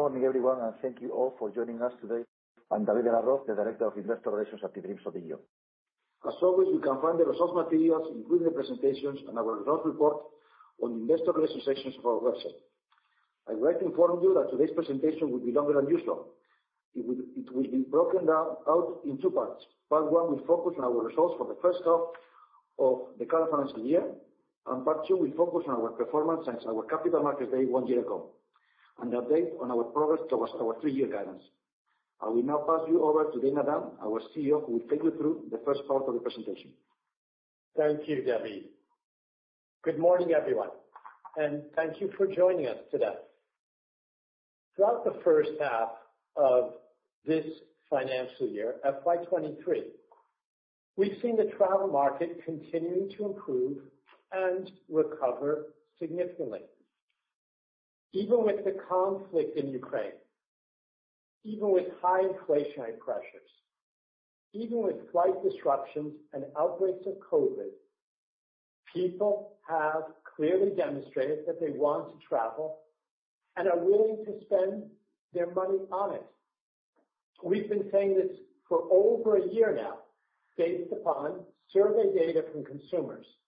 Good morning everyone, and thank you all for joining us today. I'm David de la Roz, the Director of Investor Relations at eDreams ODIGEO. As always, you can find the results materials, including the presentations and our results report on investor relations sections of our website. I would like to inform you that today's presentation will be longer than usual. It will be broken down out in two parts. Part one will focus on our results for the first half of the current financial year. Part two will focus on our performance since our Capital Markets Day one year ago, and update on our progress towards our three-year guidance. I will now pass you over to Dana Dunne, our CEO, who will take you through the first part of the presentation. Thank you, David. Good morning, everyone, and thank you for joining us today. Throughout the first half of this financial year, FY 2023, we've seen the travel market continuing to improve and recover significantly. Even with the conflict in Ukraine, even with high inflationary pressures, even with flight disruptions and outbreaks of COVID-19, people have clearly demonstrated that they want to travel and are willing to spend their money on it. We've been saying this for over a year now, based upon survey data from consumers and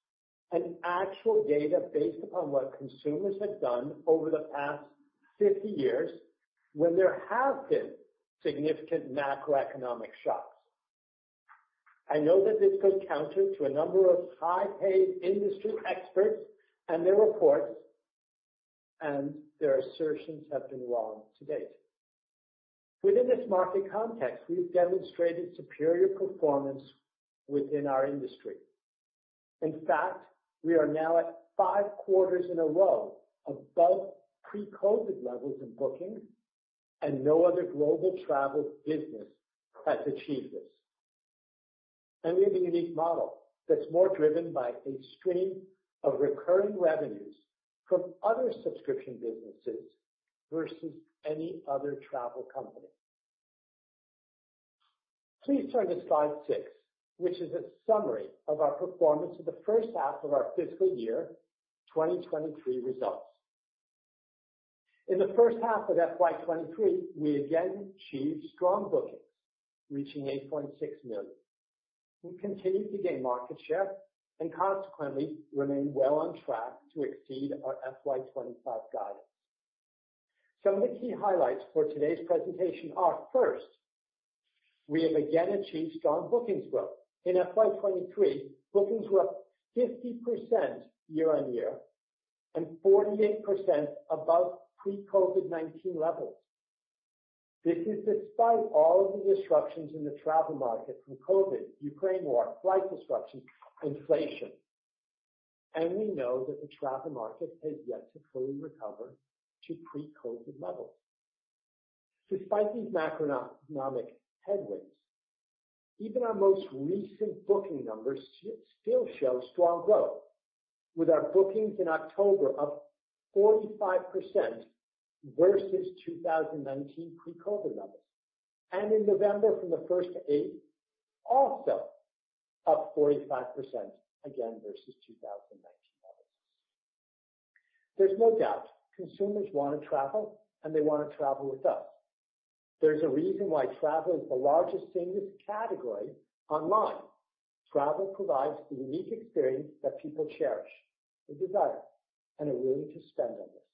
actual data based upon what consumers have done over the past 50 years when there have been significant macroeconomic shocks. I know that this goes counter to a number of high-paid industry experts and their reports, and their assertions have been wrong to date. Within this market context, we've demonstrated superior performance within our industry. In fact, we are now at five quarters in a row above pre-COVID levels in bookings, and no other global travel business has achieved this. We have a unique model that's more driven by a stream of recurring revenues from other subscription businesses versus any other travel company. Please turn to slide six, which is a summary of our performance for the first half of our fiscal year 2023 results. In the first half of FY 2023, we again achieved strong bookings, reaching 8.6 million. We continue to gain market share and consequently remain well on track to exceed our FY 2025 guidance. Some of the key highlights for today's presentation are, first, we have again achieved strong bookings growth. In FY 2023, bookings were up 50% year-on-year and 48% above pre-COVID-19 levels. This is despite all of the disruptions in the travel market from COVID, Ukraine war, flight disruptions, inflation. We know that the travel market has yet to fully recover to pre-COVID levels. Despite these macroeconomic headwinds, even our most recent booking numbers still show strong growth, with our bookings in October up 45% versus 2019 pre-COVID levels. In November, from the 1st to 8th, also up 45% again versus 2019 levels. There's no doubt consumers wanna travel and they wanna travel with us. There's a reason why travel is the largest, seamless category online. Travel provides a unique experience that people cherish and desire and are willing to spend on this.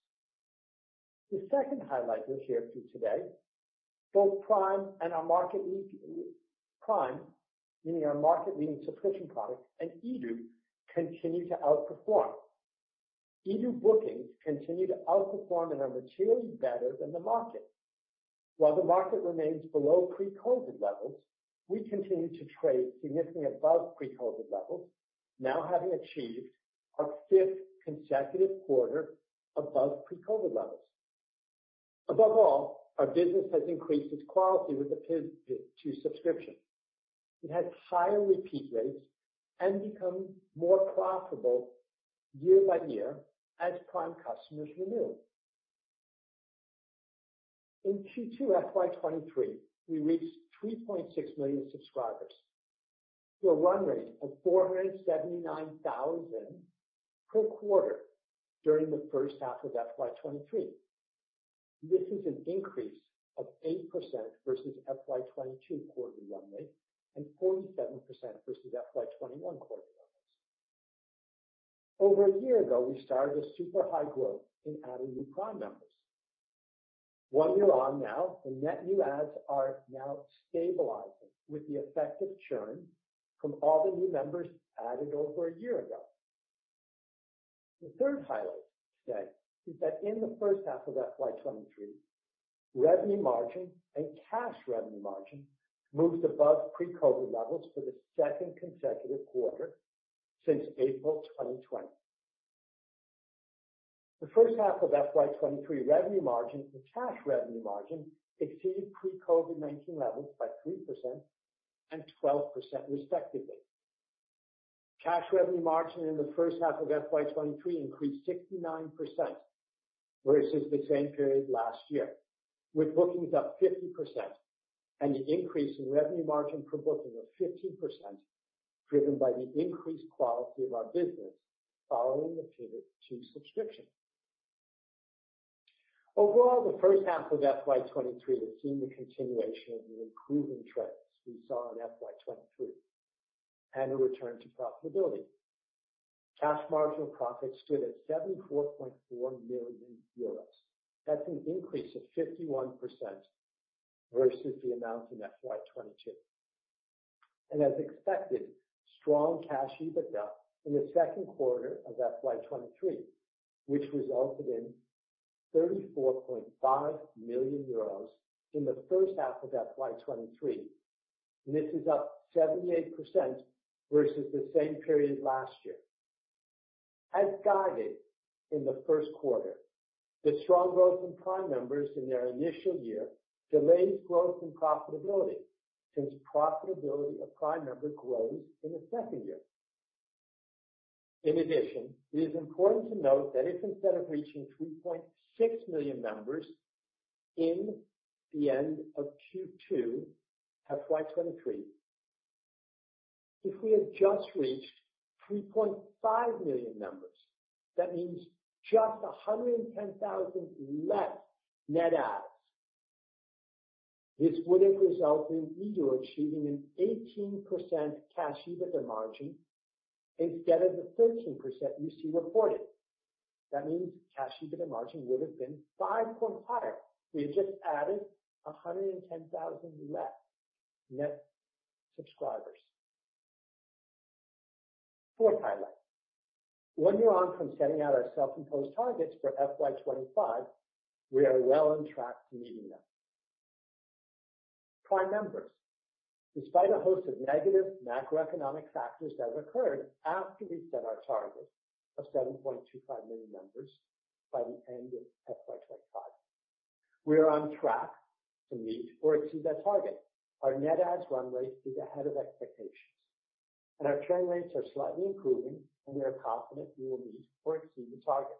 The second highlight we'll share with you today, both Prime and our market Prime, meaning our market-leading subscription product, and eDO continue to outperform. eDO bookings continue to outperform and are materially better than the market. While the market remains below pre-COVID levels, we continue to trade significantly above pre-COVID levels, now having achieved our fifth consecutive quarter above pre-COVID levels. Above all, our business has increased its quality with the pivot to subscription. It has higher repeat rates and become more profitable year by year as Prime customers renew. In Q2 FY 2023, we reached 3.6 million subscribers to a run rate of 479,000 per quarter during the first half of FY 2023. This is an increase of 8% versus FY 2022 quarterly run rate and 47% versus FY 2021 quarterly run rates. Over a year ago, we started to see super high growth in adding new Prime members. One year on now, the net new adds are now stabilizing with the effective churn from all the new members added over a year ago. The third highlight today is that in the first half of FY 2023, revenue margin and Cash Revenue Margin moved above pre-COVID-19 levels for the second consecutive quarter since April 2020. The first half of FY 2023 revenue margin and Cash Revenue Margin exceeded pre-COVID-19 levels by 3% and 12%, respectively. Cash revenue margin in the first half of FY 2023 increased 69% versus the same period last year, with bookings up 50% and an increase in revenue margin per booking of 15%. Driven by the increased quality of our business following the pivot to subscription. Overall, the first half of FY 2023 has seen the continuation of the improving trends we saw in FY 2022, and a return to profitability. Cash Marginal Profit stood at 74.4 million euros. That's an increase of 51% versus the amount in FY 2022. As expected, strong Cash EBITDA in the second quarter of FY 2023, which resulted in 34.5 million euros in the first half of FY 2023. This is up 78% versus the same period last year. As guided in the first quarter, the strong growth in Prime members in their initial year delays growth and profitability, since profitability of Prime member grows in the second year. It is important to note that if instead of reaching 3.6 million members in the end of Q2 FY 2023, if we had just reached 3.5 million members, that means just 110,000 less net adds, this would have resulted in eDO achieving an 18% Cash EBITDA margin instead of the 13% you see reported. That means Cash EBITDA margin would have been five points higher. We had just added 110,000 less net subscribers. Fourth highlight. One year on from setting out our self-imposed targets for FY 2025, we are well on track to meeting them. Prime members. Despite a host of negative macroeconomic factors that have occurred after we set our target of 7.25 million members by the end of FY 2025, we are on track to meet or exceed that target. Our net adds run rate is ahead of expectations and our churn rates are slightly improving, and we are confident we will meet or exceed the target.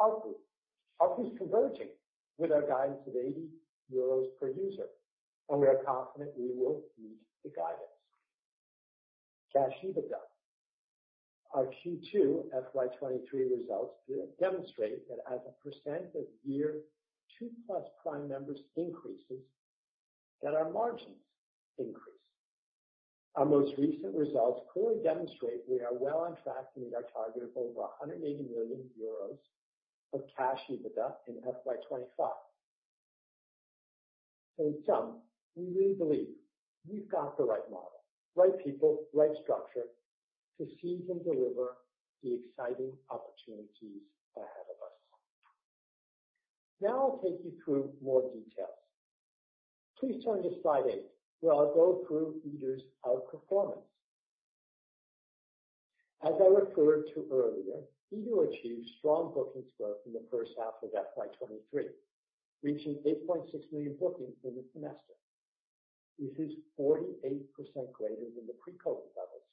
ARPU. ARPU is converging with our guidance of 80 euros per user, and we are confident we will meet the guidance. Cash EBITDA. Our Q2 FY 2023 results demonstrate that as the percentage of Year 2+ Prime members increases, our margins increase. Our most recent results clearly demonstrate we are well on track to meet our target of over 180 million euros of Cash EBITDA in FY 2025. In sum, we really believe we've got the right model, right people, right structure to seize and deliver the exciting opportunities ahead of us. Now I'll take you through more details. Please turn to slide eight, where I'll go through eDO's outperformance. As I referred to earlier, eDO achieved strong bookings growth in the first half of FY 2023, reaching 8.6 million bookings in the semester. This is 48% greater than the pre-COVID-19 levels.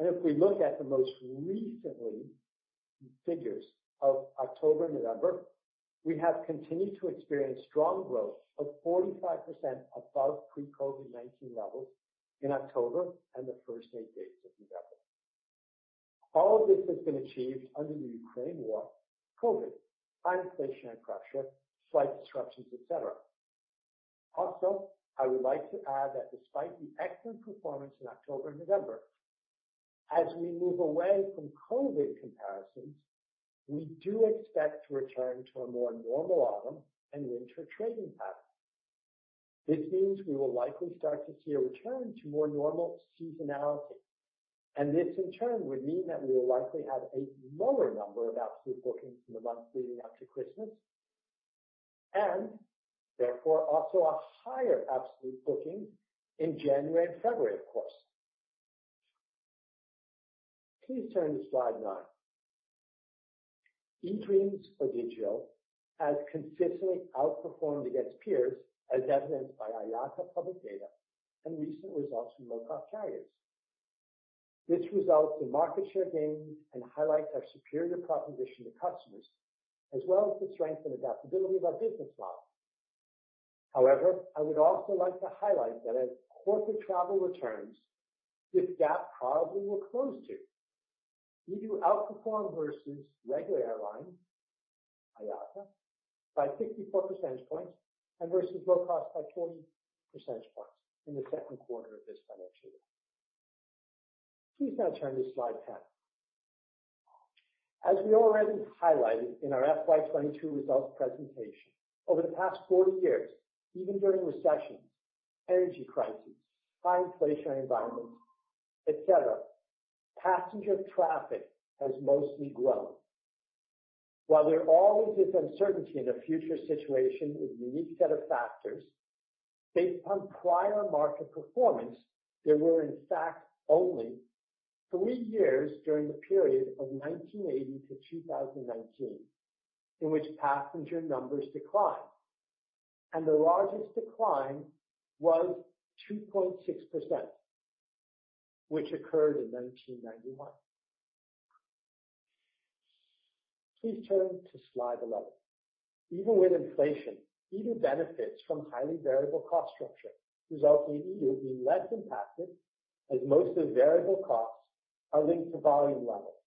If we look at the most recent figures of October, November, we have continued to experience strong growth of 45% above pre-COVID-19 levels in October and the first eight days of November. All of this has been achieved under the Ukraine war, COVID, high inflationary pressure, flight disruptions, et cetera. Also, I would like to add that despite the excellent performance in October, November, as we move away from COVID comparisons, we do expect to return to a more normal autumn and winter trading pattern. This means we will likely start to see a return to more normal seasonality, and this in turn would mean that we will likely have a lower number of absolute bookings in the months leading up to Christmas, and therefore also a higher absolute booking in January and February, of course. Please turn to slide nine. eDreams ODIGEO has consistently outperformed against peers, as evidenced by IATA public data and recent results from low-cost carriers. This results in market share gains and highlights our superior proposition to customers, as well as the strength and adaptability of our business model. However, I would also like to highlight that as corporate travel returns, this gap probably will close too. We do outperform versus regular airlines, IATA by 54 percentage points and versus low cost by 20 percentage points in the second quarter of this financial year. Please now turn to slide 10. As we already highlighted in our FY 2022 results presentation, over the past 40 years, even during recessions, energy crises, high inflationary environments, et cetera, passenger traffic has mostly grown. While there always is uncertainty in a future situation with a unique set of factors, based on prior market performance, there were in fact only three years during the period of 1980-2019 in which passenger numbers declined. The largest decline was 2.6%, which occurred in 1991. Please turn to slide 11. Even with inflation, we benefit from highly variable cost structure, resulting in we being less impacted as most of the variable costs are linked to volume levels.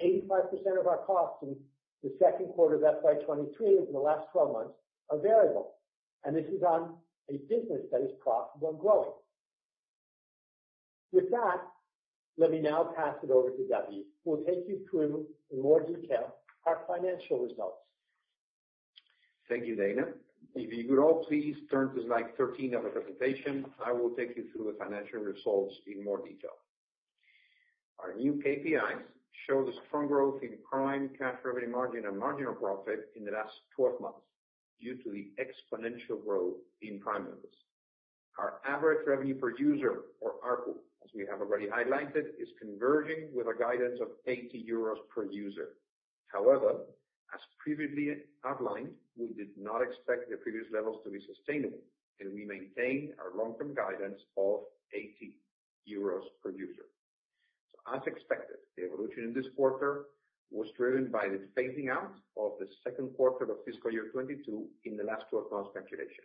85% of our costs in the second quarter of FY 2023 and the last 12 months are variable, and this is on a business that is profitable and growing. With that, let me now pass it over to David, who will take you through in more detail our financial results. Thank you, Dana. If you could all please turn to slide 13 of the presentation, I will take you through the financial results in more detail. Our new KPIs show the strong growth in Prime Cash Revenue Margin and marginal profit in the last 12 months due to the exponential growth in Prime members. Our average revenue per user or ARPU, as we have already highlighted, is converging with a guidance of 80 euros per user. However, as previously outlined, we did not expect the previous levels to be sustainable, and we maintain our long-term guidance of 80 euros per user. As expected, the evolution in this quarter was driven by the phasing out of the second quarter of fiscal year 2022 in the last 12 months calculation.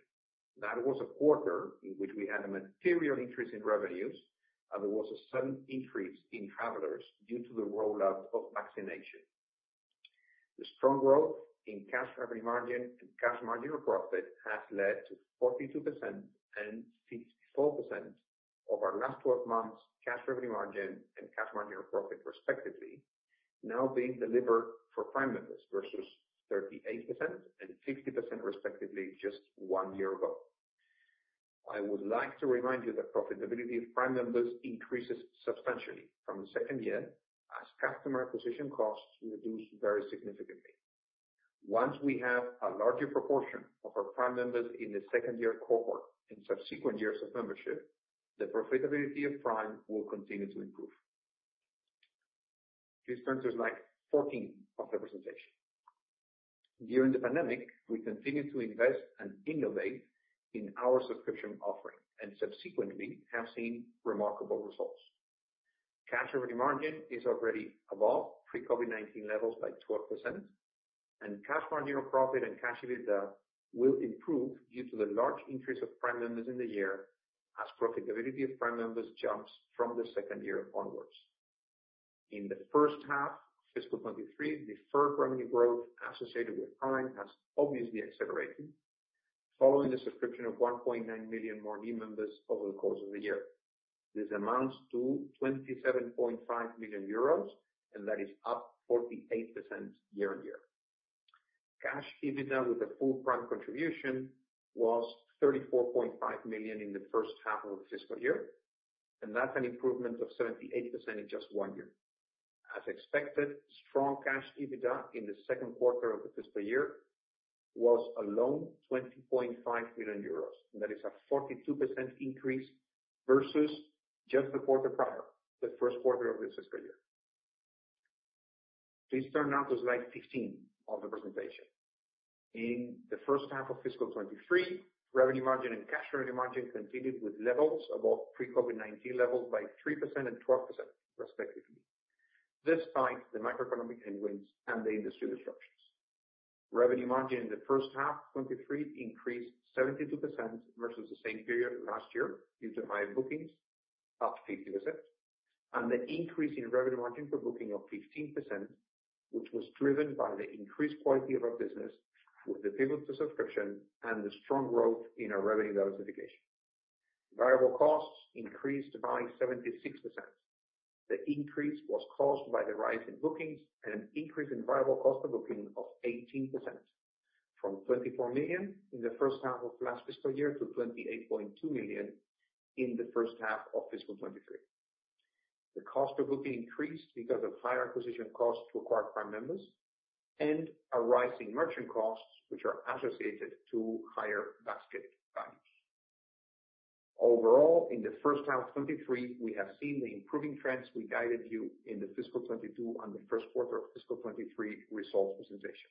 That was a quarter in which we had a material increase in revenues, and there was a sudden increase in travelers due to the rollout of vaccination. The strong growth in Cash Revenue Margin and Cash Marginal Profit has led to 42% and 64% of our last 12 months Cash Revenue Margin and Cash Marginal Profit respectively now being delivered for Prime members versus 38% and 50% respectively just one year ago. I would like to remind you that profitability of Prime members increases substantially from the second year as customer acquisition costs reduce very significantly. Once we have a larger proportion of our Prime members in the second year cohort in subsequent years of membership, the profitability of Prime will continue to improve. Please turn to slide 14 of the presentation. During the pandemic, we continued to invest and innovate in our subscription offering and subsequently have seen remarkable results. Cash revenue margin is already above pre-COVID-19 levels by 12%, and Cash Marginal Profit and Cash EBITDA will improve due to the large increase of Prime members in the year as profitability of Prime members jumps from the second year onwards. In the first half fiscal 2023, deferred revenue growth associated with Prime has obviously accelerated following the subscription of 1.9 million more new members over the course of the year. This amounts to 27.5 million euros, and that is up 48% year-on-year. Cash EBITDA with the full Prime contribution was 34.5 million in the first half of the fiscal year, and that's an improvement of 78% in just one year. As expected, strong Cash EBITDA in the second quarter of the fiscal year was alone 20.5 million euros, and that is a 42% increase versus the quarter prior, the first quarter of this fiscal year. Please turn now to slide 15 of the presentation. In the first half of fiscal 2023, revenue margin and Cash Revenue Margin continued with levels above pre-COVID-19 levels by 3% and 12% respectively. This despite the macroeconomic headwinds and the industry disruptions. Revenue margin in the first half 2023 increased 72% versus the same period last year due to higher bookings, up 50%, and the increase in revenue margin per booking of 15%, which was driven by the increased quality of our business with the pivot to subscription and the strong growth in our revenue diversification. Variable costs increased by 76%. The increase was caused by the rise in bookings and an increase in variable cost per booking of 18% from 24 million in the first half of last fiscal year to 28.2 million in the first half of fiscal 2023. The cost per booking increased because of higher acquisition costs to acquire Prime members and a rise in merchant costs which are associated to higher basket values. Overall, in the first half of 2023, we have seen the improving trends we guided you in the fiscal 2022 and the first quarter of fiscal 2023 results presentation.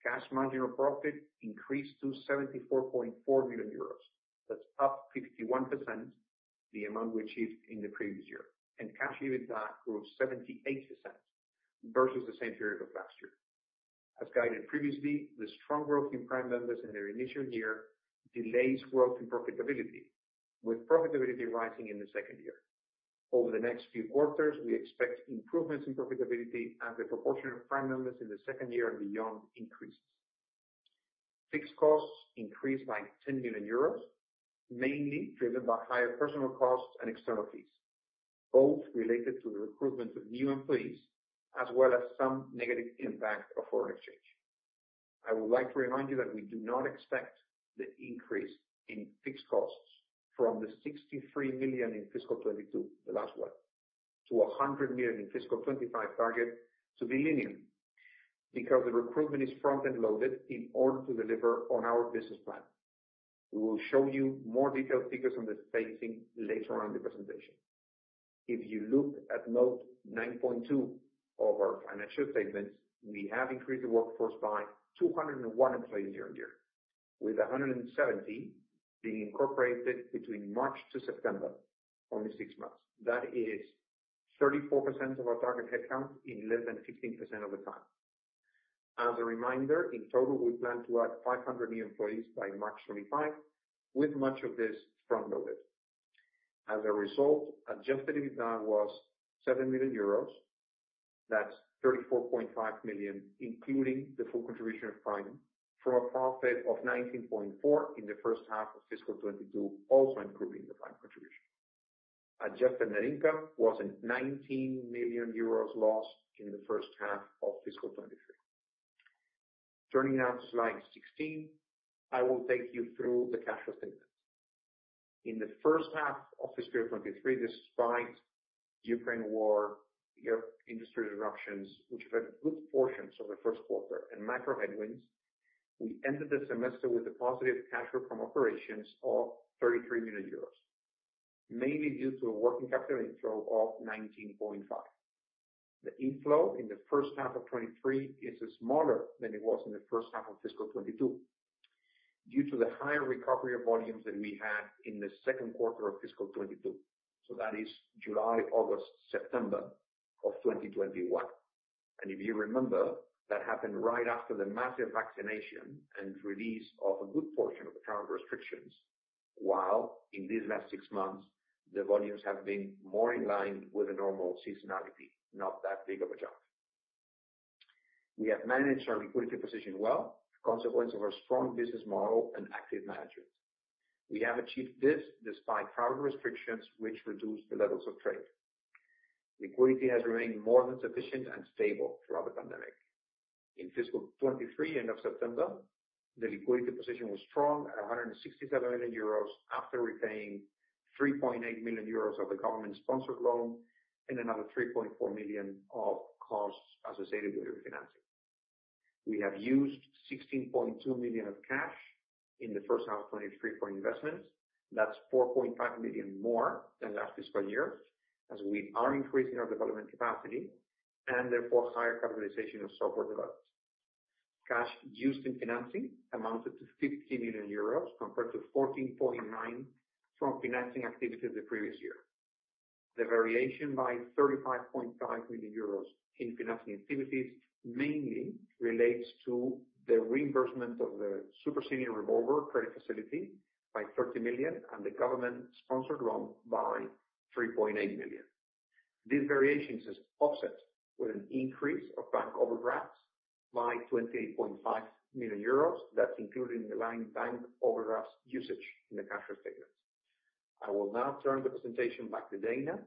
Cash Marginal Profit increased to 74.4 million euros. That's up 51% the amount we achieved in the previous year. Cash EBITDA grew 78% versus the same period of last year. As guided previously, the strong growth in Prime members in their initial year delays growth and profitability, with profitability rising in the second year. Over the next few quarters, we expect improvements in profitability as the proportion of Prime members in the second year and beyond increases. Fixed costs increased by 10 million euros, mainly driven by higher personnel costs and external fees, both related to the recruitment of new employees as well as some negative impact of foreign exchange. I would like to remind you that we do not expect the increase in fixed costs from the 63 million in fiscal 2022, the last one, to 100 million in fiscal 2025 target to be linear because the recruitment is front-loaded in order to deliver on our business plan. We will show you more detailed figures on the phasing later on in the presentation. If you look at Note 9.2 of our financial statements, we have increased the workforce by 201 employees year-on-year. With 170 being incorporated between March to September, only six months. That is 34% of our target headcount in less than 15% of the time. As a reminder, in total, we plan to add 500 new employees by March 2025, with much of this front-loaded. As a result, Adjusted EBITDA was 7 million euros. That's 34.5 million, including the full contribution of Prime from a profit of 19.4 million in the first half of fiscal 2022, also including the Prime contribution. Adjusted Net Income was a 19 million euros loss in the first half of fiscal 2023. Turning now to slide 16, I will take you through the cash flow statement. In the first half of fiscal 2023, despite Ukraine war, European industry disruptions, which affected good portions of the first quarter, and macro headwinds, we ended the semester with a positive cash flow from operations of 33 million euros, mainly due to a working capital inflow of 19.5 million. The inflow in the first half of 2023 is smaller than it was in the first half of fiscal 2022 due to the higher recovery of volumes than we had in the second quarter of fiscal 2022. That is July, August, September of 2021. If you remember, that happened right after the massive vaccination and release of a good portion of the travel restrictions, while in these last six months, the volumes have been more in line with a normal seasonality, not that big of a jump. We have managed our liquidity position well, a consequence of our strong business model and active management. We have achieved this despite travel restrictions which reduced the levels of trade. Liquidity has remained more than sufficient and stable throughout the pandemic. In fiscal 2023, end of September, the liquidity position was strong at 167 million euros after repaying 3.8 million euros of the government-sponsored loan and another 3.4 million of costs associated with refinancing. We have used 16.2 million of cash in the first half of 2023 for investments. That's 4.5 million more than last fiscal year, as we are increasing our development capacity and therefore higher capitalization of software development. Cash used in financing amounted to 50 million euros compared to 14.9 million from financing activities the previous year. The variation by 35.5 million euros in financing activities mainly relates to the reimbursement of the super senior revolving credit facility by 30 million and the government-sponsored loan by 3.8 million. These variations is offset with an increase of bank overdrafts by 28.5 million euros. That's including the line bank overdrafts usage in the cash flow statement. I will now turn the presentation back to Dana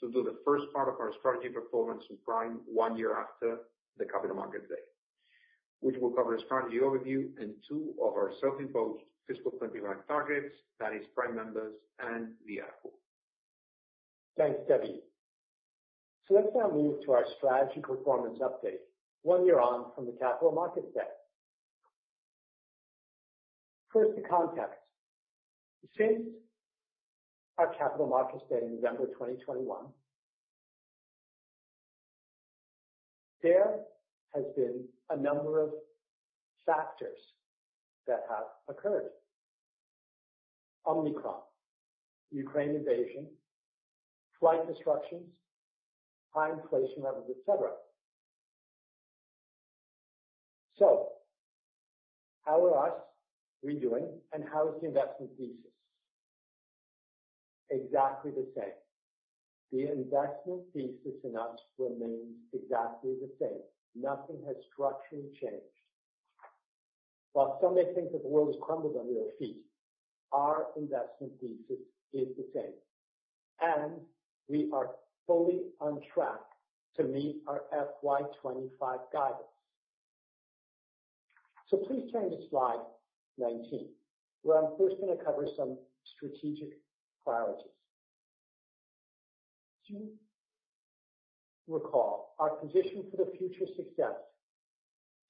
to do the first part of our strategy performance in Prime one year after the Capital Markets Day, which will cover a strategy overview and two of our self-imposed fiscal 2025 targets, that is Prime members and ARPU. Thanks, David. Let's now move to our strategy performance update one year on from the Capital Markets Day. First, the context. Since our Capital Markets Day in November 2021, there has been a number of factors that have occurred. Omicron, Ukraine invasion, flight disruptions, high inflation levels, et cetera. How are we doing and how is the investment thesis? Exactly the same. The investment thesis in us remains exactly the same. Nothing has structurally changed. While some may think that the world has crumbled under our feet, our investment thesis is the same, and we are fully on track to meet our FY 2025 guidance. Please turn to slide 19, where I'm first gonna cover some strategic priorities. As you recall, our position for the future success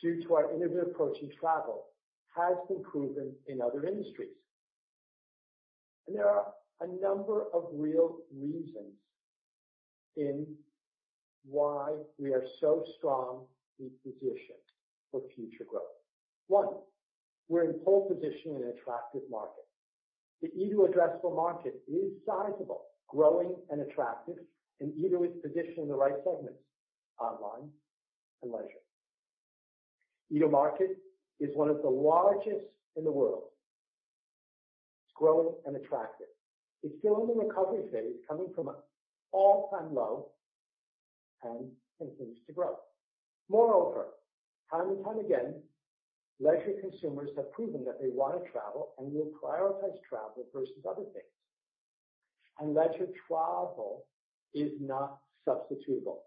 due to our innovative approach in travel has been proven in other industries. There are a number of real reasons in why we are so strong in position for future growth. One, we're in pole position in an attractive market. The eDO addressable market is sizable, growing and attractive, and eDO is positioned in the right segments, online and leisure. eDO market is one of the largest in the world. It's growing and attractive. It's still in the recovery phase, coming from an all-time low, and continues to grow. Moreover, time and time again, leisure consumers have proven that they want to travel and will prioritize travel versus other things. Leisure travel is not substitutable.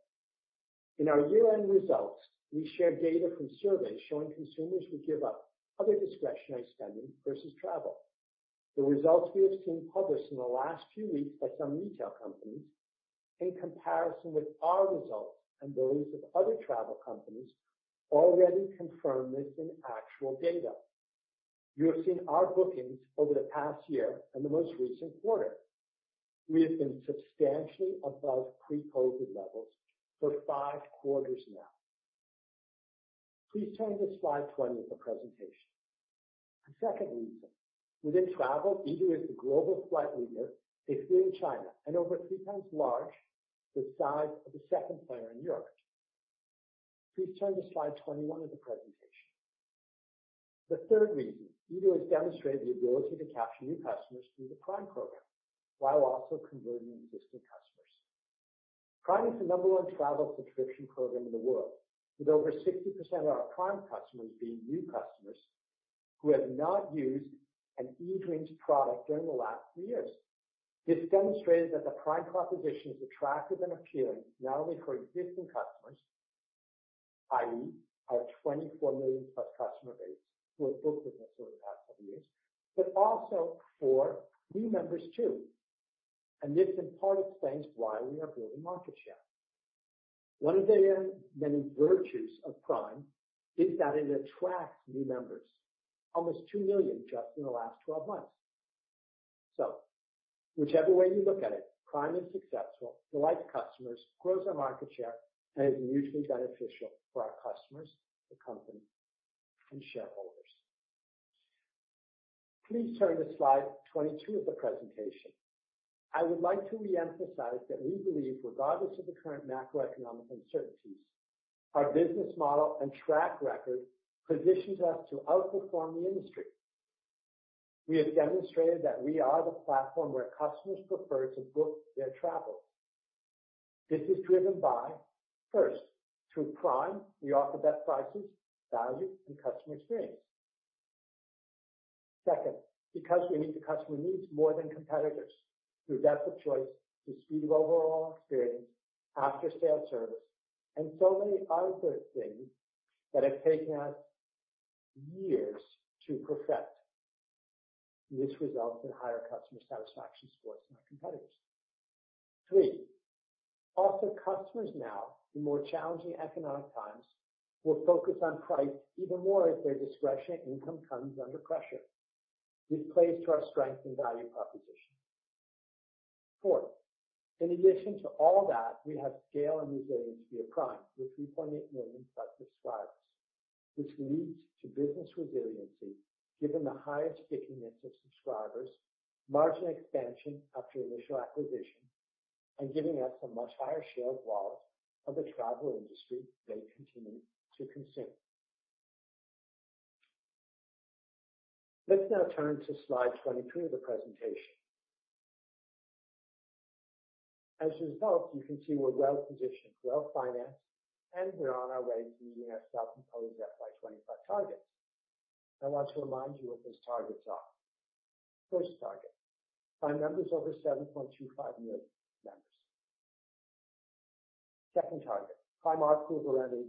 In our year-end results, we share data from surveys showing consumers would give up other discretionary spending versus travel. The results we have seen published in the last few weeks by some retail companies, in comparison with our results and those of other travel companies, already confirm this in actual data. You have seen our bookings over the past year and the most recent quarter. We have been substantially above pre-COVID levels for five quarters now. Please turn to slide 20 of the presentation. The second reason, within travel, eDO is the global flight leader, excluding China, and over 3x larger than the size of the second player in Europe. Please turn to slide 21 of the presentation. The third reason, eDO has demonstrated the ability to capture new customers through the Prime program while also converting existing customers. Prime is the number one travel subscription program in the world, with over 60% of our Prime customers being new customers who have not used an eDreams product during the last three years. This demonstrated that the Prime proposition is attractive and appealing not only for existing customers, i.e., our 24 million+ customer base who have booked with us over the past couple of years, but also for new members too. This in part explains why we are building market share. One of the many virtues of Prime is that it attracts new members, almost 2 million just in the last 12 months. Whichever way you look at it, Prime is successful, delights customers, grows our market share, and is mutually beneficial for our customers, the company, and shareholders. Please turn to slide 22 of the presentation. I would like to reemphasize that we believe regardless of the current macroeconomic uncertainties, our business model and track record positions us to outperform the industry. We have demonstrated that we are the platform where customers prefer to book their travel. This is driven by, first, through Prime, we offer best prices, value, and customer experience. Second, because we meet the customer needs more than competitors through depth of choice, the speed of overall experience, after-sales service, and so many other things that have taken us years to perfect. This results in higher customer satisfaction scores than our competitors. Three, also customers now, in more challenging economic times, will focus on price even more if their discretionary income comes under pressure. This plays to our strength and value proposition. Four, in addition to all that, we have scale and resilience via Prime, with 3.8 million+ subscribers, which leads to business resiliency, given the highest stickiness of subscribers, margin expansion after initial acquisition, and giving us a much higher share of wallet of the travel industry they continue to consume. Let's now turn to slide 23 of the presentation. As a result, you can see we're well-positioned, well-financed, and we're on our way to meeting our self-imposed FY 2025 targets. I want to remind you what those targets are. First target, Prime members over 7.25 million members. Second target, Prime ARPU of EUR 11.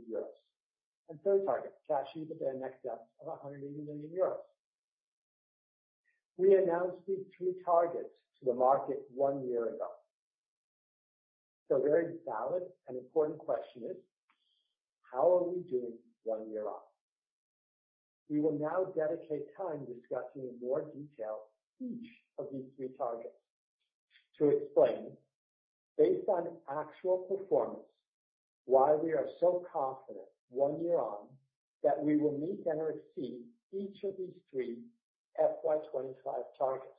Third target, Cash EBITDA net debt of 180 million euros. We announced these three targets to the market one year ago. A very valid and important question is: How are we doing one year on? We will now dedicate time discussing in more detail each of these three targets to explain, based on actual performance, why we are so confident one year on that we will meet and exceed each of these three FY 2025 targets.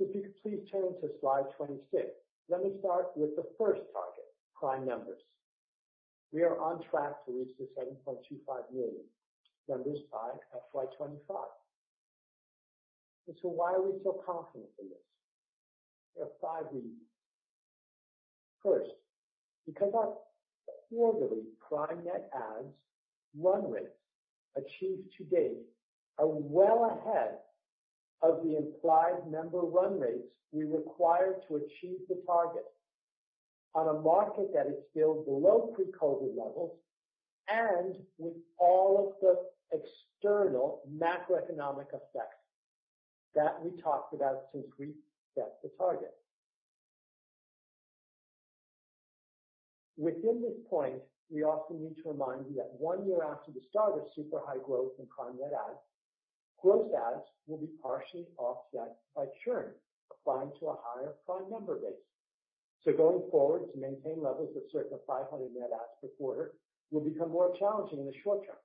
If you could please turn to slide 26. Let me start with the first target, Prime numbers. We are on track to reach the 7.25 million members by FY 2025. Why are we so confident in this? There are five reasons. First, because our quarterly Prime net adds run rates achieved to date are well ahead of the implied member run rates we require to achieve the target on a market that is still below pre-COVID levels and with all of the external macroeconomic effects that we talked about since we set the target. Within this point, we also need to remind you that one year after the start of super high growth in Prime net adds, gross adds will be partially offset by churn applying to a higher Prime member base. Going forward, to maintain levels of circa 500 net adds per quarter will become more challenging in the short term.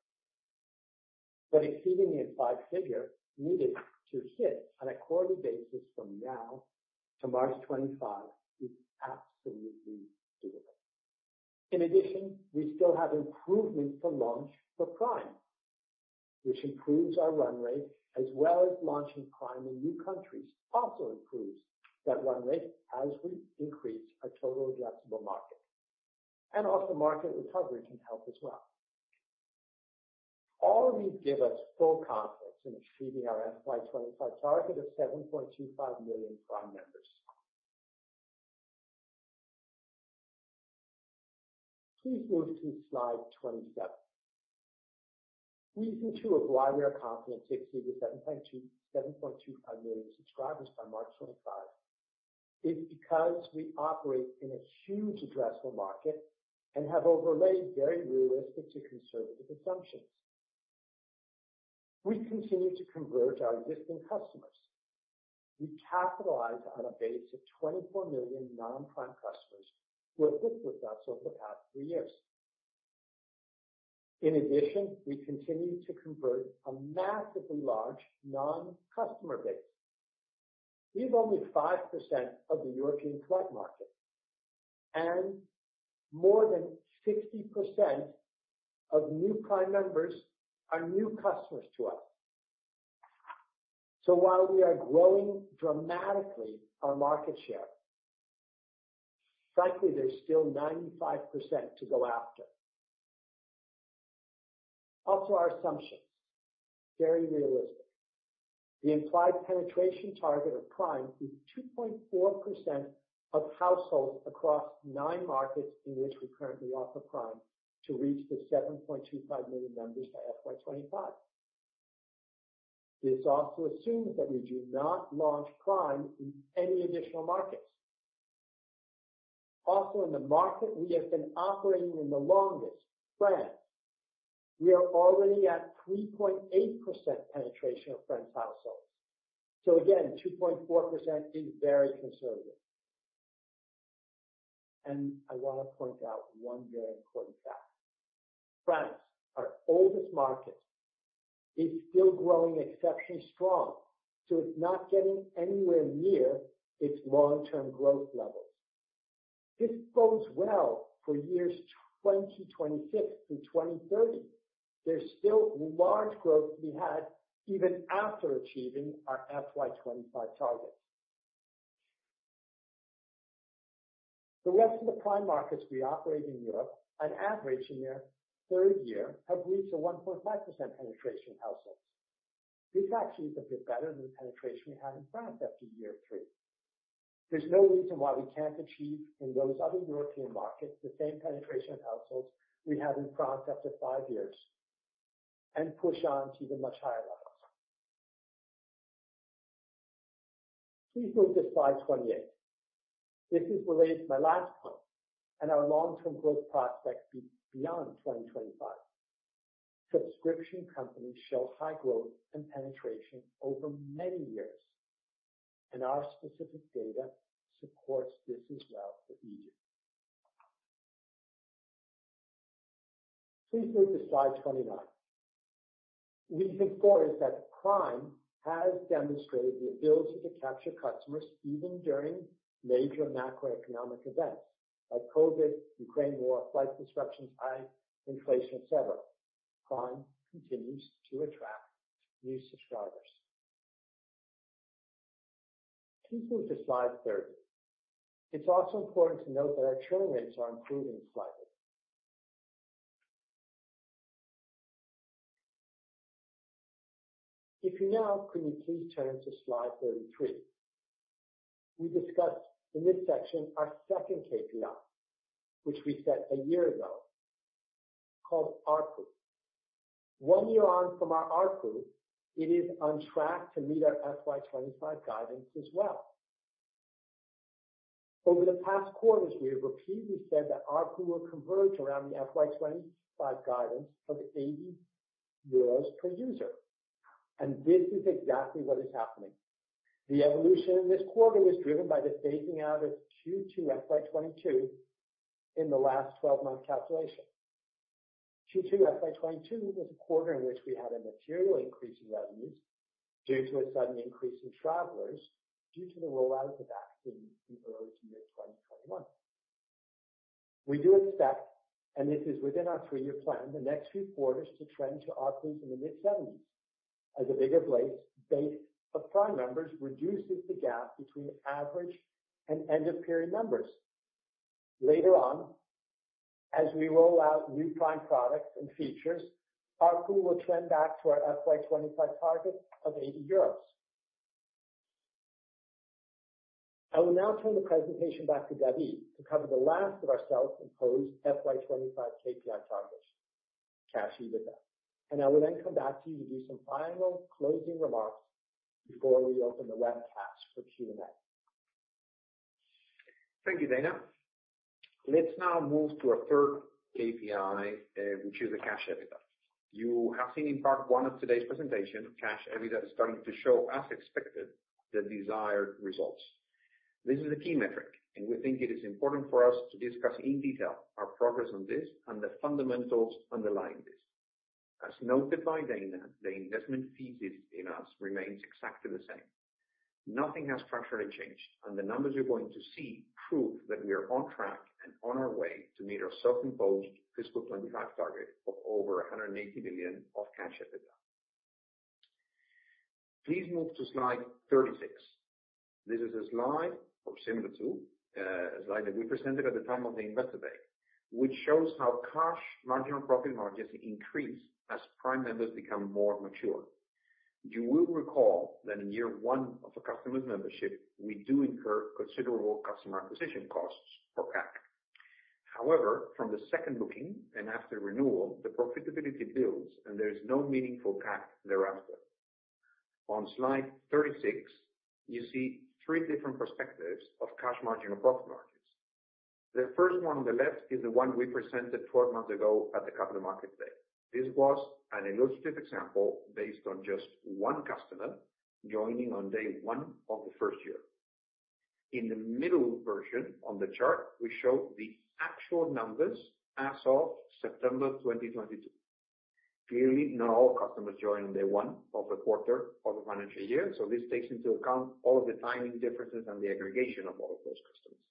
Exceeding the implied figure needed to hit on a quarterly basis from now to March 2025 is absolutely doable. In addition, we still have improvement to launch for Prime, which improves our run rate, as well as launching Prime in new countries also improves that run rate as we increase our total addressable market. Also market recovery can help as well. All these give us full confidence in achieving our FY 2025 target of 7.25 million Prime members. Please move to slide 27. Reason two of why we are confident to exceed the 7.25 million subscribers by March 2025 is because we operate in a huge addressable market and have overlaid very realistic to conservative assumptions. We continue to convert our existing customers. We capitalize on a base of 24 million non-Prime customers who have been with us over the past three years. In addition, we continue to convert a massively large non-customer base. We have only 5% of the European Prime market, and more than 60% of new Prime members are new customers to us. So while we are growing dramatically our market share, frankly, there's still 95% to go after. Also our assumptions, very realistic. The implied penetration target of Prime is 2.4% of households across nine markets in which we currently offer Prime to reach the 7.25 million members by FY 2025. This also assumes that we do not launch Prime in any additional markets. Also, in the market we have been operating in the longest, France, we are already at 3.8% penetration of French households. Again, 2.4% is very conservative. I wanna point out one very important fact. France, our oldest market, is still growing exceptionally strong, so it's not getting anywhere near its long-term growth levels. This bodes well for years 2026 through 2030. There's still large growth to be had even after achieving our FY 2025 targets. The rest of the Prime markets we operate in Europe, on average in their third year, have reached a 1.5% penetration of households. This actually is a bit better than the penetration we have in France after year three. There's no reason why we can't achieve in those other European markets the same penetration of households we have in France after five years and push on to even much higher levels. Please move to slide 28. This is related to my last point and our long-term growth prospects beyond 2025. Subscription companies show high growth and penetration over many years, and our specific data supports this as well, for eDO. Please move to slide 29. We think, for instance, that Prime has demonstrated the ability to capture customers even during major macroeconomic events like COVID, Ukraine war, flight disruptions, high inflation, et cetera. Prime continues to attract new subscribers. Please move to slide 30. It's also important to note that our churn rates are improving slightly. Now, could you please turn to slide 33. We discuss in this section our second KPI, which we set a year ago, called ARPU. One year on from our ARPU, it is on track to meet our FY 2025 guidance as well. Over the past quarters, we have repeatedly said that ARPU will converge around the FY 2025 guidance of 80 euros per user, and this is exactly what is happening. The evolution in this quarter was driven by the phasing out of Q2 FY 2022 in the last 12-month calculation. Q2 FY 2022 was a quarter in which we had a material increase in revenues due to a sudden increase in travelers due to the rollout of the vaccine in early 2021. We do expect, and this is within our three-year plan, the next few quarters to trend to ARPUs in the mid-70s as a bigger base of Prime members reduces the gap between average and end of period members. Later on, as we roll out new Prime products and features, ARPU will trend back to our FY 2025 target of 80 euros. I will now turn the presentation back to David to cover the last of our self-imposed FY 2025 KPI targets, Cash EBITDA, and I will then come back to you to do some final closing remarks before we open the webcast for Q&A. Thank you, Dana. Let's now move to our third KPI, which is the Cash EBITDA. You have seen in part one of today's presentation, Cash EBITDA is starting to show, as expected, the desired results. This is a key metric, and we think it is important for us to discuss in detail our progress on this and the fundamentals underlying this. As noted by Dana, the investment thesis in us remains exactly the same. Nothing has structurally changed, and the numbers you're going to see prove that we are on track and on our way to meet our self-imposed fiscal 2025 target of over 180 million of Cash EBITDA. Please move to slide 36. This is a slide or similar to a slide that we presented at the time of the Investor Day, which shows how Cash Marginal Profit margins increase as Prime members become more mature. You will recall that in Year 1 of a customer's membership, we do incur considerable customer acquisition costs or CAC. However, from the second booking and after renewal, the profitability builds and there is no meaningful CAC thereafter. On slide 36, you see three different perspectives of cash margin or profit margins. The first one on the left is the one we presented 12 months ago at the Capital Markets Day. This was an illustrative example based on just one customer joining on day one of the first year. In the middle version on the chart, we show the actual numbers as of September 2022. Clearly, not all customers join on day one of a quarter of a financial year, so this takes into account all of the timing differences and the aggregation of all of those customers.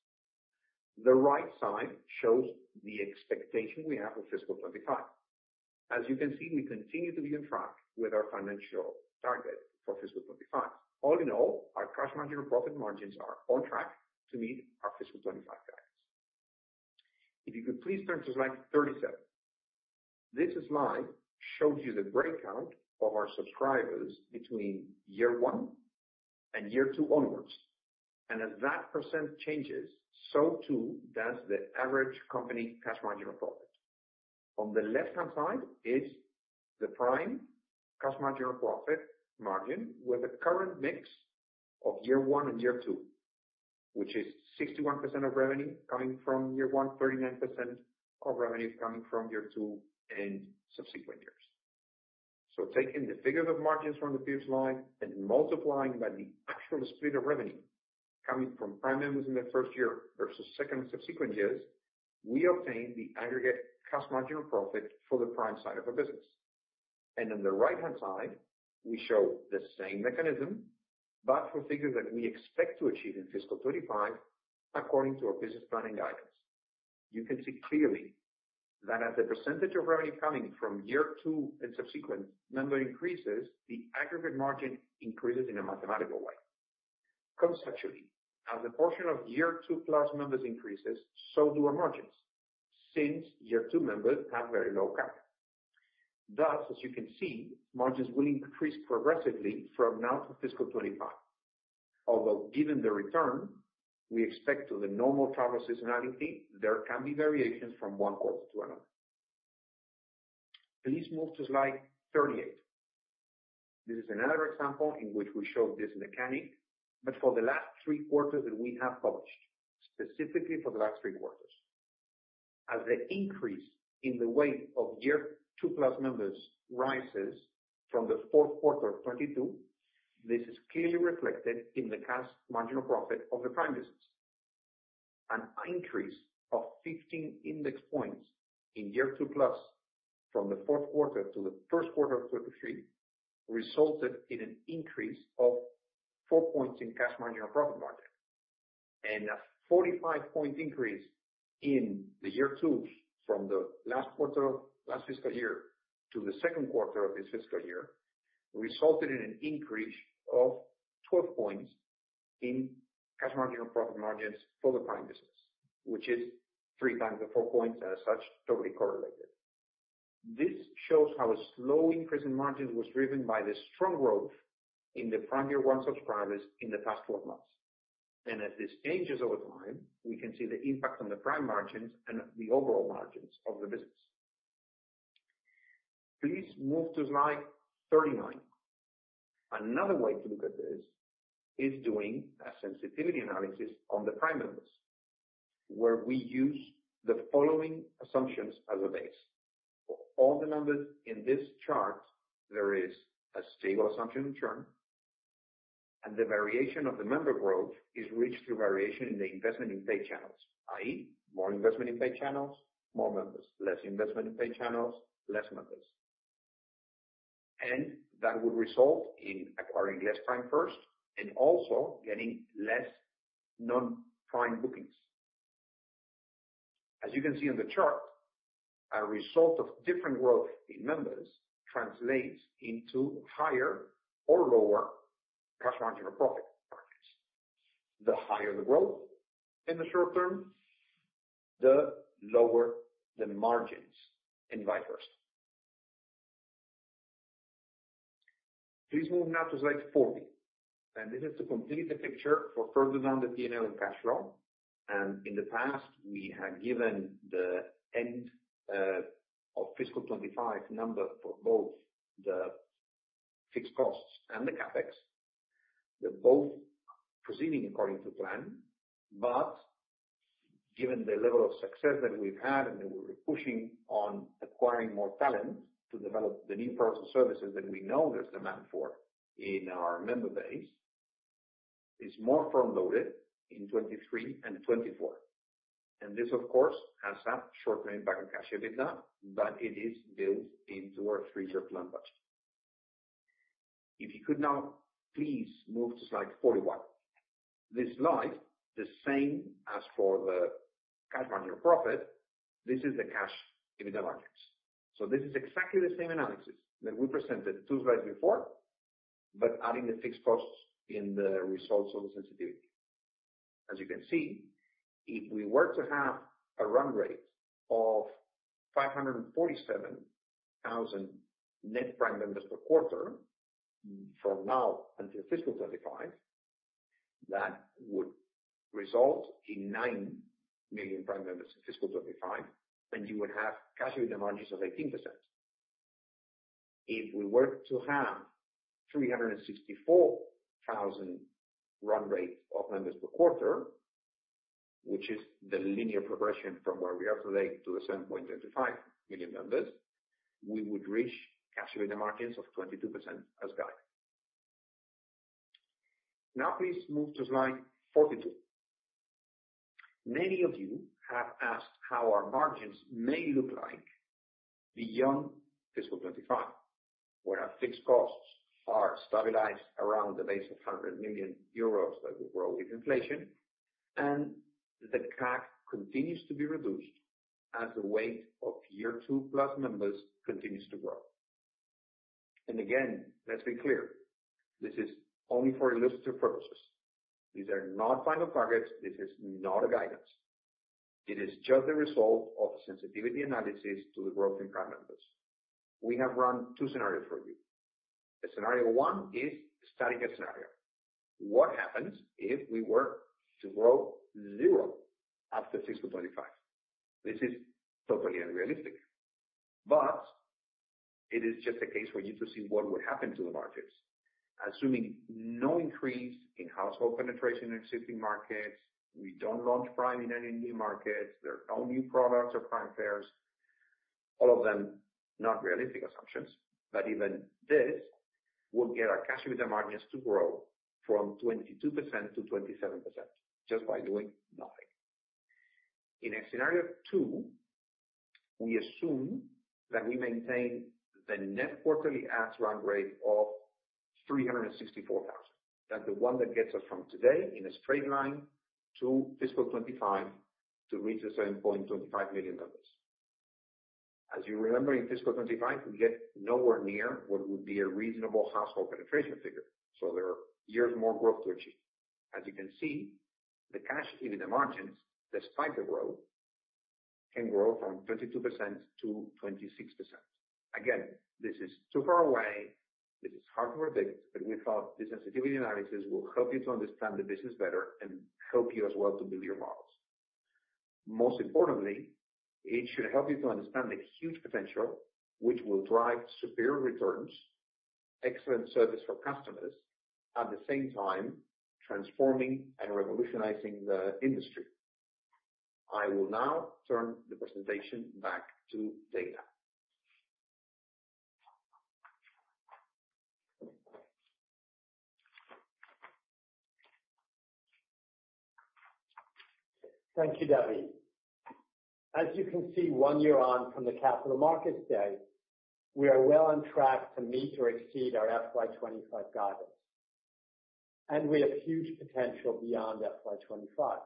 The right side shows the expectation we have of fiscal 2025. As you can see, we continue to be on track with our financial target for fiscal 2025. All in all, our cash margin or profit margins are on track to meet our fiscal 2025 guidance. If you could please turn to slide 37. This slide shows you the breakout of our subscribers between Year 1 and Year 2 onwards. As that percent changes, so too does the average company cash margin or profit. On the left-hand side is the Prime cash margin or profit margin with the current mix of Year 1 and Year 2, which is 61% of revenue coming from Year 1, 39% of revenue coming from Year 2 and subsequent years. Taking the figures of margins from the previous slide and multiplying by the actual split of revenue coming from Prime members in their first year versus second and subsequent years, we obtain the aggregate cash margin or profit for the Prime side of a business. On the right-hand side, we show the same mechanism, but for figures that we expect to achieve in fiscal 2025 according to our business planning guidance. You can see clearly that as the percentage of revenue coming from Year 2 and subsequent member increases, the aggregate margin increases in a mathematical way. Conceptually, as the portion of Year 2+ members increases, so do our margins, since Year 2 members have very low CAC. Thus, as you can see, margins will increase progressively from now to fiscal 2025. Although given the return to the normal travel seasonality, there can be variations from one quarter to another. Please move to slide 38. This is another example in which we show this mechanic, but for the last three quarters that we have published, specifically for the last three quarters. As the increase in the weight of Year 2+ members rises from the fourth quarter of 2022, this is clearly reflected in the Cash Marginal Profit of the Prime business. An increase of 15 index points in Year 2+ from the fourth quarter to the first quarter of 2023 resulted in an increase of 4 points in cash margin or profit margin. A 45-point increase in the Year 2 from the last quarter of last fiscal year to the second quarter of this fiscal year resulted in an increase of 12 points in cash margin or profit margins for the Prime business, which is 3x the 4 points and as such, totally correlated. This shows how a slow increase in margins was driven by the strong growth in the Prime Year 1 subscribers in the past 12 months. As this changes over time, we can see the impact on the Prime margins and the overall margins of the business. Please move to slide 39. Another way to look at this is doing a sensitivity analysis on the Prime members, where we use the following assumptions as a base. For all the numbers in this chart, there is a stable assumption in churn, and the variation of the member growth is reached through variation in the investment in paid channels, i.e. more investment in paid channels, more members. Less investment in paid channels, less members. That would result in acquiring less Prime first and also getting less non-Prime bookings. As you can see on the chart, a result of different growth in members translates into higher or lower cash margin or profit margins. The higher the growth in the short term, the lower the margins, and vice versa. Please move now to slide 40. This is to complete the picture for further down the P&L and cash flow. In the past, we have given the end of fiscal 2025 number for both the fixed costs and the CapEx. They're both proceeding according to plan. Given the level of success that we've had and that we're pushing on acquiring more talent to develop the new products and services that we know there's demand for in our member base, is more front-loaded in 2023 and 2024. This, of course, has a short-term impact on Cash EBITDA, but it is built into our three-year plan budget. If you could now please move to slide 41. This slide, the same as for the cash margin or profit, this is the Cash EBITDA margins. This is exactly the same analysis that we presented two slides before, but adding the fixed costs in the results of the sensitivity. As you can see, if we were to have a run rate of 547,000 net Prime members per quarter from now until fiscal 2025. That would result in 9 million Prime members in fiscal 2025, and you would have Cash EBITDA margins of 18%. If we were to have 364,000 run rate of members per quarter, which is the linear progression from where we are today to the 7.25 million members, we would reach Cash EBITDA margins of 22% as guided. Now please move to slide 42. Many of you have asked how our margins may look like beyond fiscal 2025, where our fixed costs are stabilized around the base of 100 million euros that will grow with inflation and the CAC continues to be reduced as the weight of Year 2+ members continues to grow. Again, let's be clear, this is only for illustrative purposes. These are not final targets. This is not a guidance. It is just a result of sensitivity analysis to the growth in Prime members. We have run two scenarios for you. The scenario one is a static scenario. What happens if we were to grow zero after fiscal 2025? This is totally unrealistic, but it is just a case for you to see what would happen to the margins. Assuming no increase in household penetration in existing markets, we don't launch Prime in any new markets. There are no new products or Prime fares. All of them not realistic assumptions, but even this will get our Cash EBITDA margins to grow from 22%-27% just by doing nothing. In scenario two, we assume that we maintain the net quarterly adds run rate of 364,000. That's the one that gets us from today in a straight line to fiscal 2025 to reach the 7.25 million members. As you remember, in fiscal 2025, we get nowhere near what would be a reasonable household penetration figure, so there are years more growth to achieve. As you can see, the Cash EBITDA margins, despite the growth, can grow from 22%-26%. Again, this is too far away. This is hard to predict, but we thought the sensitivity analysis will help you to understand the business better and help you as well to build your models. Most importantly, it should help you to understand the huge potential which will drive superior returns, excellent service for customers, at the same time transforming and revolutionizing the industry. I will now turn the presentation back to Dana. Thank you, David. As you can see, one year on from the Capital Markets Day, we are well on track to meet or exceed our FY 2025 guidance. We have huge potential beyond FY 2025.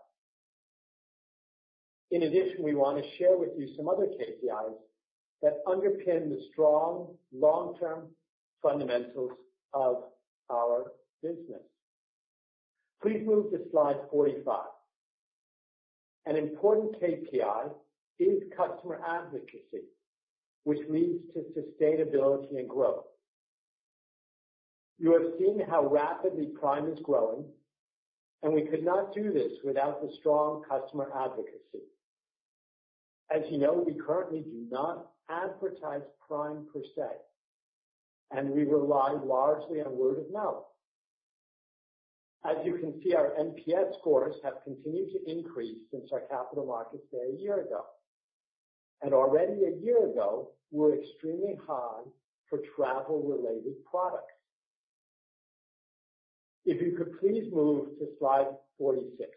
In addition, we want to share with you some other KPIs that underpin the strong long-term fundamentals of our business. Please move to slide 45. An important KPI is customer advocacy, which leads to sustainability and growth. You have seen how rapidly Prime is growing, and we could not do this without the strong customer advocacy. As you know, we currently do not advertise Prime per se, and we rely largely on word of mouth. As you can see, our NPS scores have continued to increase since our Capital Markets Day a year ago. Already a year ago were extremely high for travel-related products. If you could please move to slide 46.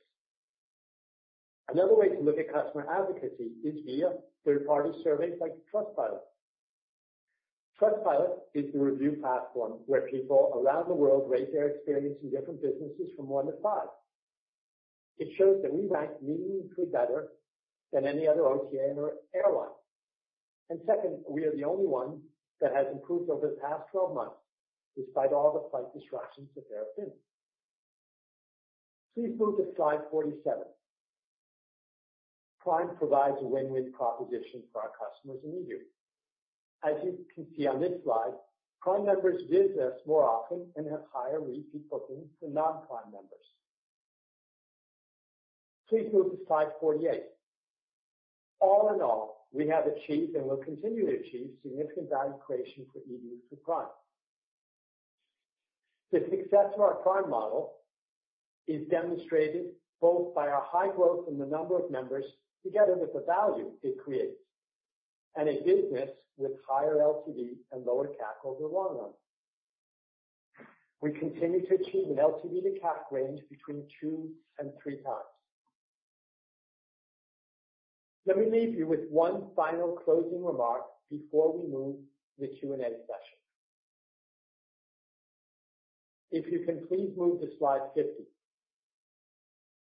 Another way to look at customer advocacy is via third party surveys like Trustpilot. Trustpilot is the review platform where people around the world rate their experience in different businesses from one to five. It shows that we rank meaningfully better than any other OTA or airline. Second, we are the only one that has improved over the past 12 months, despite all the flight disruptions that there have been. Please move to slide 47. Prime provides a win-win proposition for our customers in eDO. As you can see on this slide, Prime members visit us more often and have higher repeat bookings than non-Prime members. Please move to slide 48. All in all, we have achieved and will continue to achieve significant value creation for eDO through Prime. The success of our Prime model is demonstrated both by our high growth in the number of members together with the value it creates, and a business with higher LTV and lower CAC over the long run. We continue to achieve an LTV to CAC range between 2x and 3x. Let me leave you with one final closing remark before we move to the Q&A session. If you can please move to slide 50.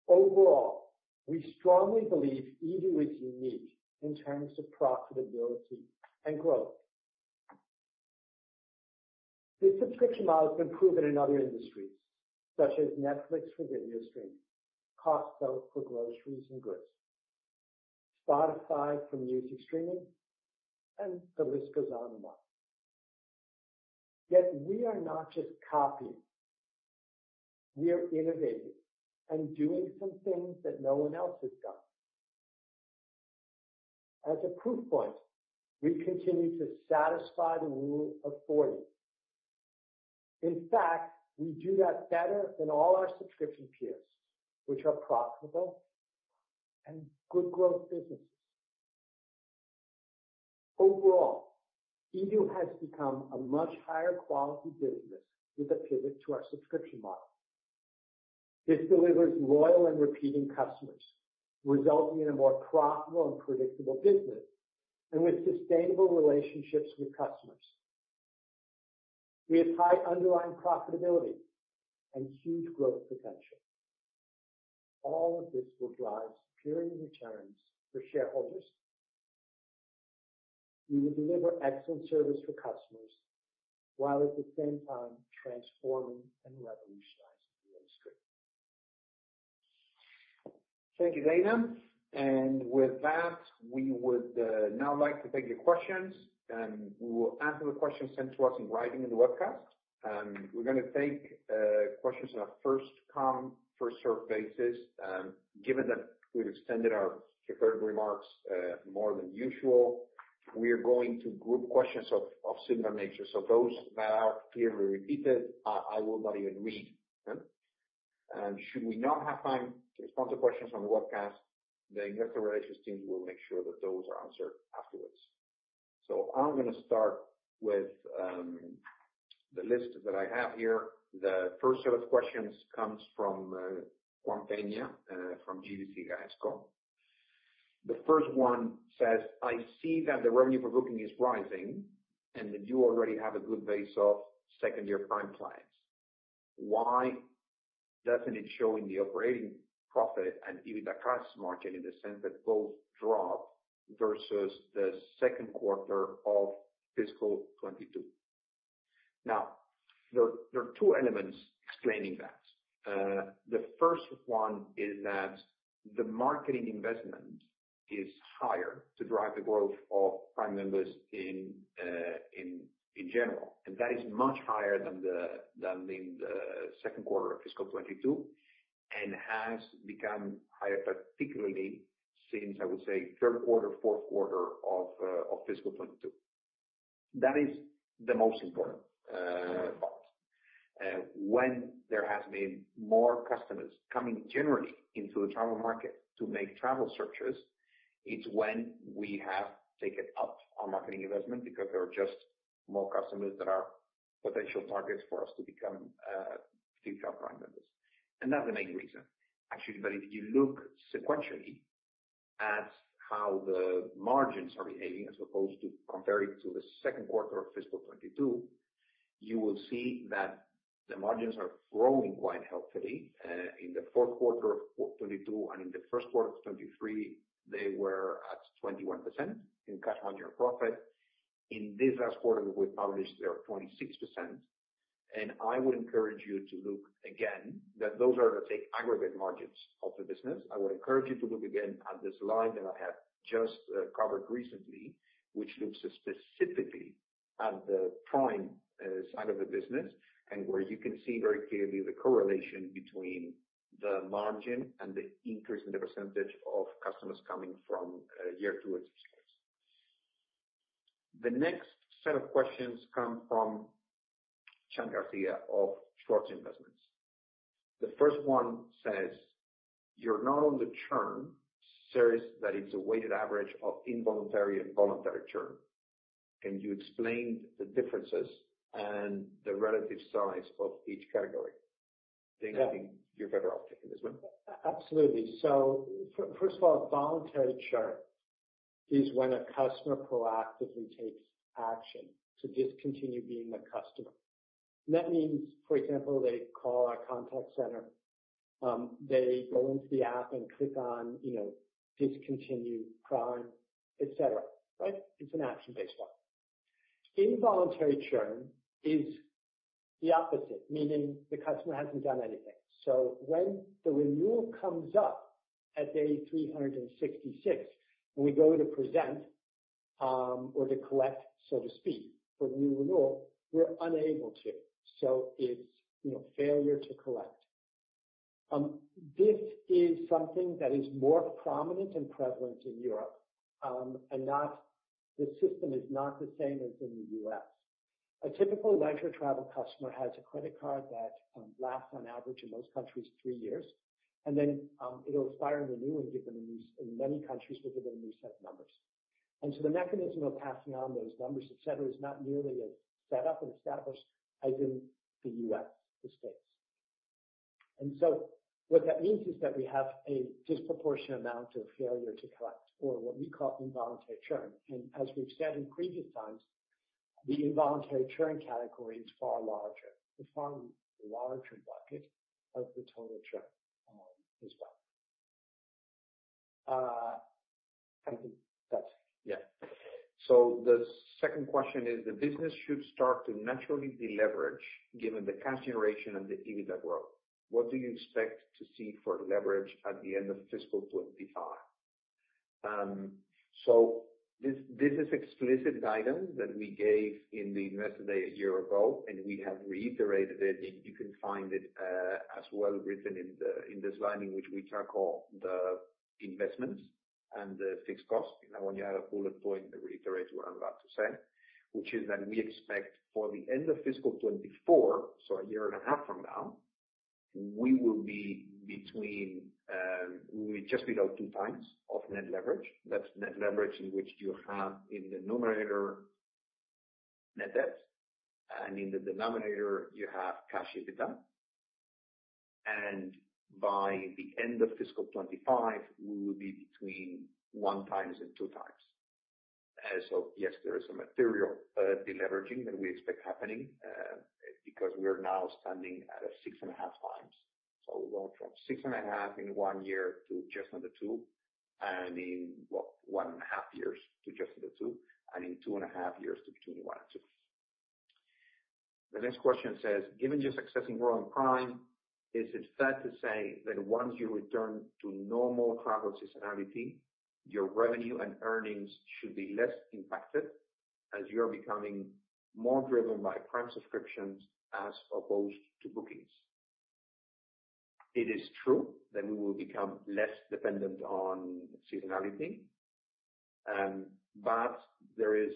Overall, we strongly believe eDO is unique in terms of profitability and growth. This subscription model has been proven in other industries such as Netflix for video streaming, Costco for groceries and goods, Spotify for music streaming, and the list goes on and on. We are not just copying. We are innovating and doing some things that no one else has done. As a proof point, we continue to satisfy the Rule of 40. In fact, we do that better than all our subscription peers, which are profitable and good growth businesses. Overall, eDO has become a much higher quality business with a pivot to our subscription model. This delivers loyal and repeating customers, resulting in a more profitable and predictable business, and with sustainable relationships with customers. We have high underlying profitability and huge growth potential. All of this will drive superior returns for shareholders. We will deliver excellent service for customers while at the same time transforming and revolutionizing the industry. Thank you, Dana. With that, we would now like to take your questions, and we will answer the questions sent to us in writing in the webcast. We're gonna take questions on a first come, first serve basis. Given that we've extended our prepared remarks more than usual, we are going to group questions of similar nature. Those that are clearly repeated, I will not even read them. Should we not have time to respond to questions on the webcast, the investor relations teams will make sure that those are answered afterwards. I'm gonna start with the list that I have here. The first set of questions comes from Juan Peña from GVC Gaesco. The first one says, "I see that the revenue per booking is rising and that you already have a good base of second year Prime clients. Why doesn't it show in the operating profit and EBITDA margin in the sense that both dropped versus the second quarter of fiscal 2022?" Now, there are two elements explaining that. The first one is that the marketing investment is higher to drive the growth of Prime members in general, and that is much higher than in the second quarter of fiscal 2022, and has become higher, particularly since, I would say, third quarter, fourth quarter of fiscal 2022. That is the most important part. When there has been more customers coming generally into the travel market to make travel searches, it's when we have taken up our marketing investment because there are just more customers that are potential targets for us to become future Prime members. And that's the main reason. Actually, if you look sequentially at how the margins are behaving as opposed to comparing to the second quarter of fiscal 2022, you will see that the margins are growing quite healthily. In the fourth quarter of 2022 and in the first quarter of 2023, they were at 21% in Cash Marginal Profit. In this last quarter that we published, they are 26%. I would encourage you to look at that again, those are the aggregate margins of the business. I would encourage you to look again at the slide that I have just covered recently, which looks specifically at the Prime side of the business, and where you can see very clearly the correlation between the margin and the increase in the percentage of customers coming from Year 2 and six months. The next set of questions come from Chadd Garcia of Schwartz Investment. The first one says, "Your note on the churn says that it's a weighted average of involuntary and voluntary churn. Can you explain the differences and the relative size of each category?" I think you're better off taking this one. Absolutely. First of all, voluntary churn is when a customer proactively takes action to discontinue being a customer. That means, for example, they call our contact center, they go into the app and click on, you know, discontinue Prime, et cetera, right? It's an action-based one. Involuntary churn is the opposite, meaning the customer hasn't done anything. When the renewal comes up at day 366, when we go to present, or to collect, so to speak, for the renewal, we're unable to. It's, you know, failure to collect. This is something that is more prominent and prevalent in Europe, and the system is not the same as in the U.S. A typical leisure travel customer has a credit card that lasts on average in most countries, three years. It'll expire and renew. In many countries, will give them a new set of numbers. The mechanism of passing on those numbers, et cetera, is not nearly as set up and established as in the U.S., the States. What that means is that we have a disproportionate amount of failure to collect or what we call involuntary churn. As we've said in previous times, the involuntary churn category is far larger bucket of the total churn as well. I think that's The second question is, the business should start to naturally deleverage given the cash generation and the EBITDA growth. What do you expect to see for leverage at the end of fiscal 2025? This is explicit guidance that we gave in the Investor Day a year ago, and we have reiterated it. You can find it, as well written in the slide in which we tackle the investments and the fixed costs. When you have a bullet point that reiterates what I'm about to say, which is that we expect for the end of fiscal 2024, so 1.5 years from now, we will be just below 2x net leverage. That's net leverage in which you have in the numerator net debt, and in the denominator you have Cash EBITDA. By the end of fiscal 2025, we will be between 1x and 2x. So yes, there is some material deleveraging that we expect happening because we are now standing at a 6.5x. We went from 6.5x in one year to just under 2x, and in 1.5 years to just under 2x, and in 2.5 years to between 1x and 2x. The next question says, "Given your success in growing Prime, is it fair to say that once you return to normal travel seasonality, your revenue and earnings should be less impacted as you are becoming more driven by Prime subscriptions as opposed to bookings?" It is true that we will become less dependent on seasonality. There is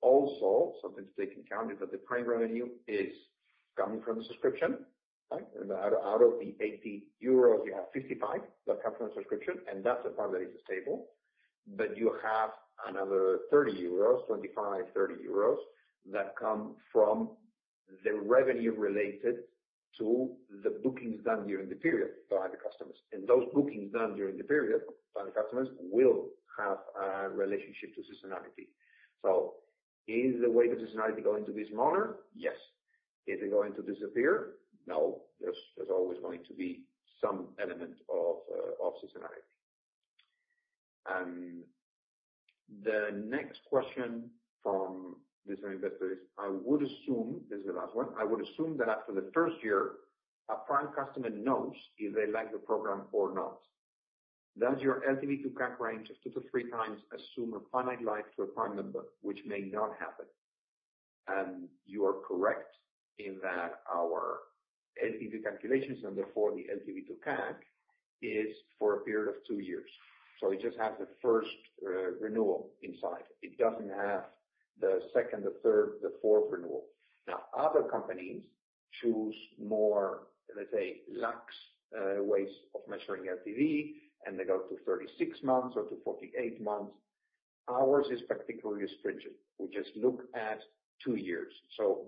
also something to take into account, is that the Prime revenue is coming from the subscription, right? Out of the 80 euro you have 55 that come from the subscription, and that's the part that is stable. You have another 30 euros, 25, 30 euros that come from the revenue related to the bookings done during the period by the customers. And those bookings done during the period by the customers will have a relationship to seasonality. Is the weight of seasonality going to be smaller? Yes. Is it going to disappear? No. There's always going to be some element of seasonality. The next question from this investor is, "I would assume," this is the last one. "I would assume that after the first year, a Prime customer knows if they like the program or not. Does your LTV to CAC range of 2x-3x assume a finite life to a Prime member, which may not happen? You are correct in that our LTV calculations and therefore the LTV to CAC is for a period of two years. It just has the first renewal inside. It doesn't have the second, the third, the fourth renewal. Now, other companies choose more, let's say, lax ways of measuring LTV, and they go to 36 months or to 48 months. Ours is particularly stringent. We just look at two years.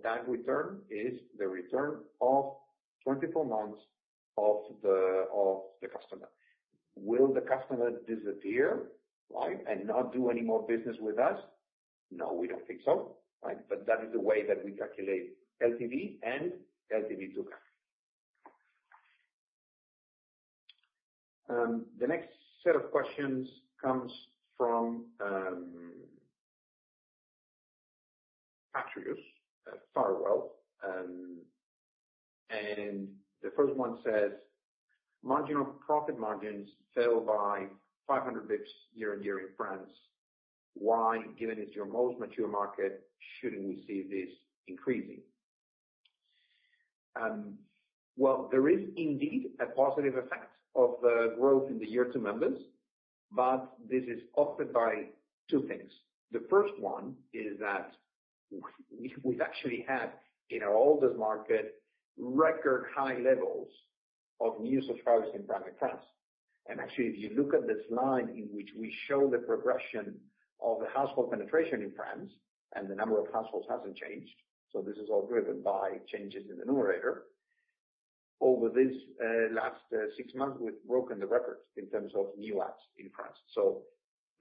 That return is the return of 24 months of the customer. Will the customer disappear, right, and not do any more business with us? No, we don't think so, right? That is the way that we calculate LTV and LTV to CAC. The next set of questions comes from Panos Farewell. The first one says, "Marginal profit margins fell by 500 basis points year-on-year in France. Why, given it's your most mature market, shouldn't we see this increasing?" Well, there is indeed a positive effect of the growth in the Year 2 members, but this is offset by two things. The first one is that we've actually had in our oldest market record high levels of new subscribers in Prime and France. Actually, if you look at the slide in which we show the progression of the household penetration in France, and the number of households hasn't changed, so this is all driven by changes in the numerator. Over this last six months, we've broken the records in terms of new adds in France.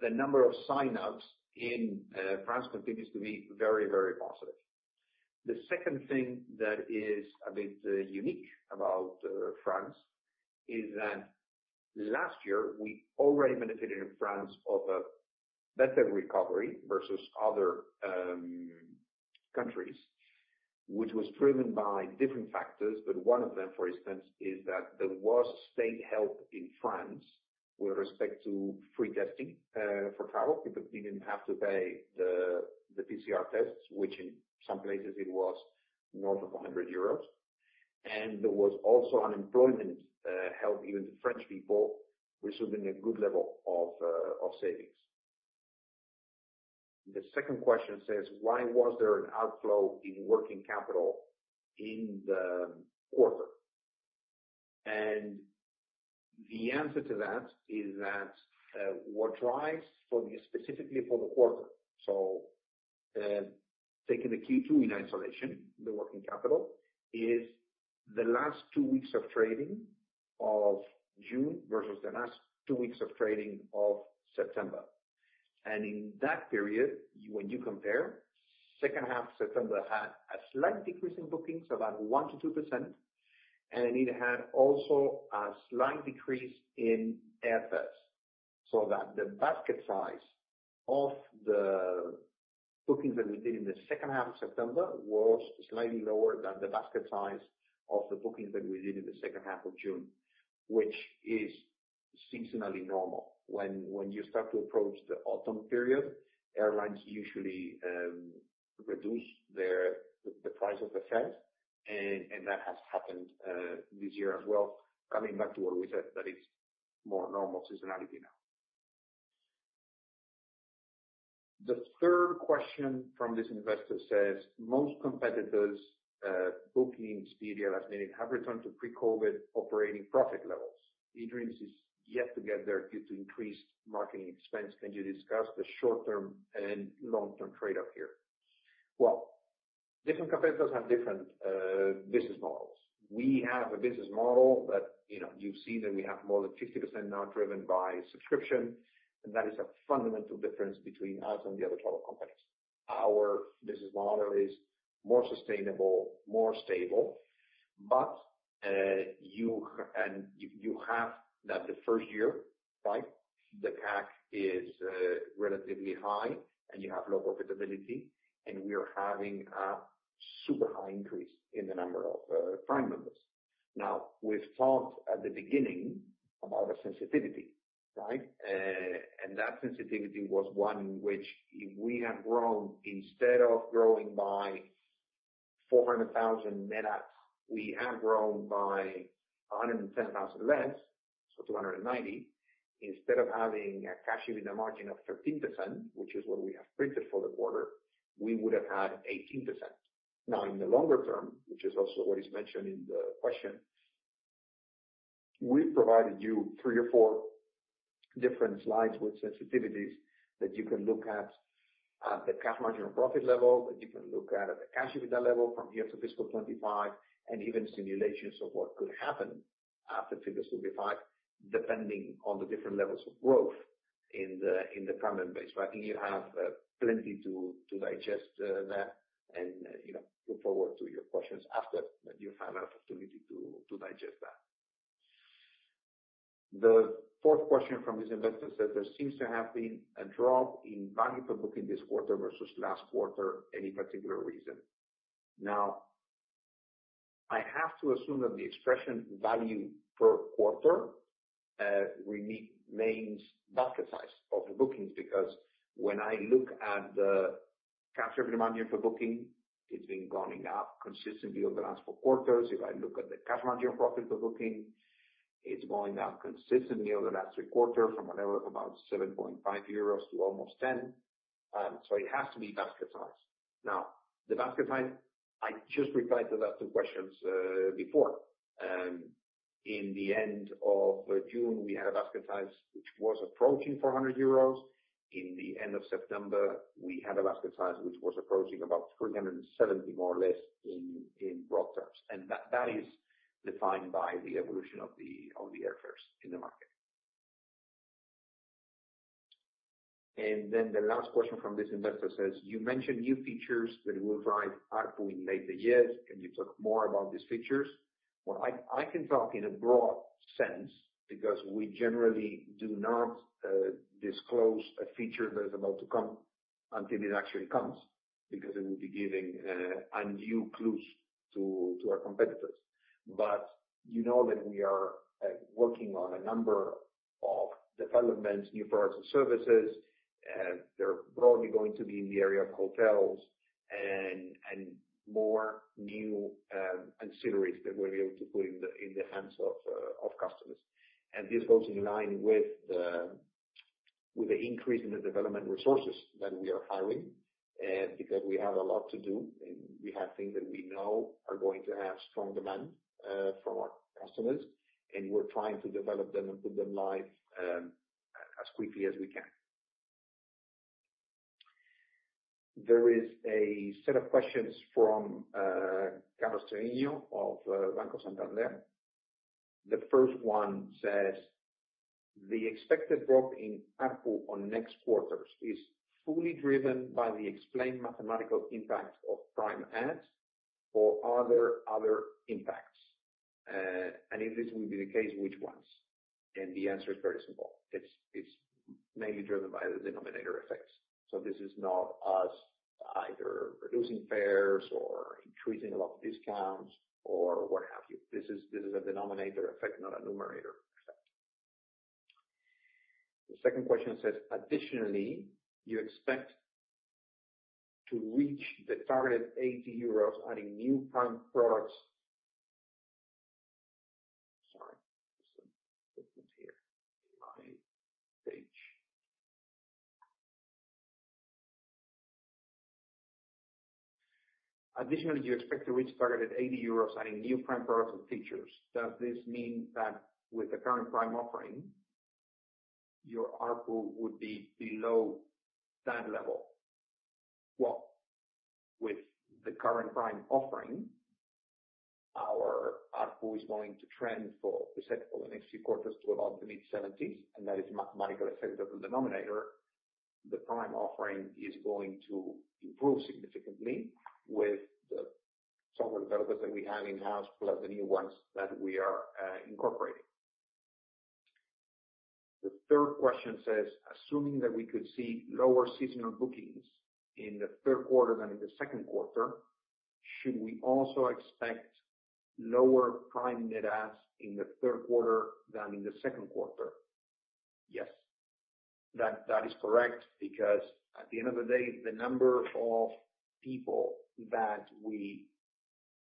The number of sign-ups in France continues to be very, very positive. The second thing that is a bit unique about France is that last year we already benefited in France of a better recovery versus other countries, which was driven by different factors. One of them, for instance, is that there was state help in France with respect to free testing for travel. People didn't have to pay the PCR tests, which in some places it was more than 100 euros. There was also unemployment help given to French people, resulting in a good level of savings. The second question says, "Why was there an outflow in working capital in the quarter?" The answer to that is that what drives for me specifically for the quarter, taking the Q2 in isolation, the working capital is the last two weeks of trading of June versus the last two weeks of trading of September. In that period, when you compare, second half September had a slight decrease in bookings, about 1%-2%, and it had also a slight decrease in airfares. The basket size of the bookings that we did in the second half of September was slightly lower than the basket size of the bookings that we did in the second half of June, which is seasonally normal. When you start to approach the autumn period, airlines usually reduce the price of the fares, and that has happened this year as well. Coming back to what we said, that is more normal seasonality now. The third question from this investor says, most competitors, Booking, Expedia, lastminute.com have returned to pre-COVID operating profit levels. eDreams is yet to get there due to increased marketing expense. Can you discuss the short-term and long-term trade-off here? Well, different competitors have different business models. We have a business model that, you know, you've seen that we have more than 50% now driven by subscription, and that is a fundamental difference between us and the other travel companies. Our business model is more sustainable, more stable. You have that in the first year, right, the CAC is relatively high and you have low profitability, and we are having a super high increase in the number of Prime members. We've talked at the beginning about a sensitivity, right? That sensitivity was one which if we had grown instead of growing by 400,000 net adds, we had grown by 110,000 less, so 290,000. Instead of having a Cash EBITDA margin of 13%, which is what we have printed for the quarter, we would have had 18%. Now in the longer term, which is also what is mentioned in the question, we provided you three or four different slides with sensitivities that you can look at at the cash margin or profit level, that you can look at at the Cash EBITDA level from here to fiscal 2025, and even simulations of what could happen after fiscal 2025, depending on the different levels of growth in the Prime member base. I think you have plenty to digest there and, you know, look forward to your questions after you've had an opportunity to digest that. The fourth question from this investor says there seems to have been a drop in value per booking this quarter versus last quarter. Any particular reason? Now, I have to assume that the expression value per quarter remains basket size of the bookings, because when I look at the Cash Revenue Margin per booking, it's been going up consistently over the last four quarters. If I look at the Cash Marginal Profit per booking, it's going up consistently over the last three quarters from a level of about 7.5 euros to almost 10. So it has to be basket size. Now, the basket size, I just replied to that two questions before. At the end of June, we had a basket size which was approaching 400 euros. At the end of September, we had a basket size which was approaching about 370 more or less in broad terms. That is defined by the evolution of the airfares in the market. Then the last question from this investor says, you mentioned new features that will drive ARPU in later years. Can you talk more about these features? Well, I can talk in a broad sense because we generally do not disclose a feature that is about to come until it actually comes because it will be giving undue clues to our competitors. But you know that we are working on a number of developments, new products and services. They're broadly going to be in the area of hotels and more new ancillaries that we'll be able to put in the hands of customers. This goes in line with the increase in the development resources that we are hiring, because we have a lot to do and we have things that we know are going to have strong demand from our customers, and we're trying to develop them and put them live as quickly as we can. There is a set of questions from Carlos Treviño of Banco Santander. The first one says, the expected drop in ARPU on next quarters is fully driven by the explained mathematical impact of Prime adds or are there other impacts? And if this will be the case, which ones? The answer is very simple. It's mainly driven by the denominator effects. This is not us either reducing fares or increasing a lot of discounts or what have you. This is a denominator effect, not a numerator effect. The second question says, additionally, you expect to reach the target 80 euros adding new Prime products. Sorry. There's some movement here in my page. Additionally, you expect to reach target at 80 euros adding new Prime products and features. Does this mean that with the current Prime offering your ARPU would be below that level? Well, with the current Prime offering, our ARPU is going to trend, we said, for the next three quarters to about the mid-70s, and that is a mathematical effect of the denominator. The Prime offering is going to improve significantly with the software developers that we have in-house, plus the new ones that we are incorporating. The third question says, assuming that we could see lower seasonal bookings in the third quarter than in the second quarter, should we also expect lower Prime net adds in the third quarter than in the second quarter? Yes. That is correct, because at the end of the day, the number of people that we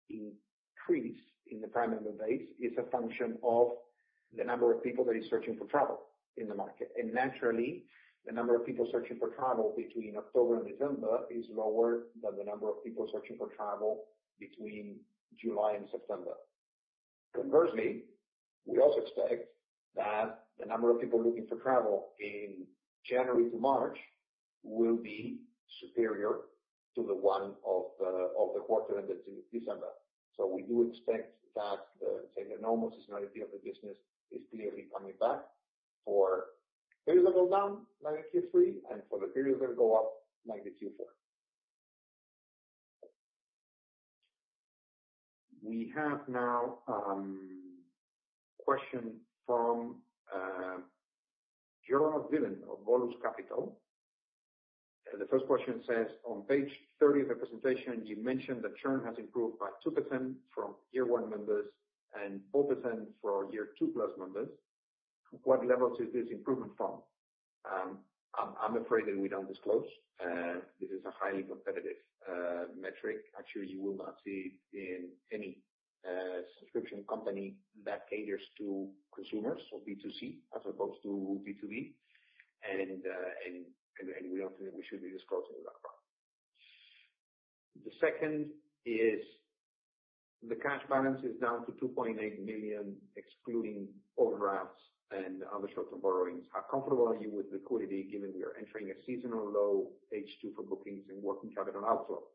increase in the Prime member base is a function of the number of people that is searching for travel in the market. Naturally, the number of people searching for travel between October and December is lower than the number of people searching for travel between July and September. Conversely, we also expect that the number of people looking for travel in January to March will be superior to the one of the quarter that ends in December. We do expect that the normal seasonality of the business is clearly coming back for periods that go down like the Q3 and for the periods that go up like the Q4. We have now question from Vyacheslav Shilin of Veles Capital. The first question says, "On page 30 of the presentation, you mentioned that churn has improved by 2% from Year 1 members and 4% for Year 2+ members. What level is this improvement from?" I'm afraid that we don't disclose. This is a highly competitive metric. Actually, you will not see in any subscription company that caters to consumers or B2C as opposed to B2B. We don't think we should be disclosing that one. The second is, "The cash balance is down to 2.8 million, excluding overdrafts and other short-term borrowings. How comfortable are you with liquidity given we are entering a seasonal low H2 for bookings and working capital outflow?"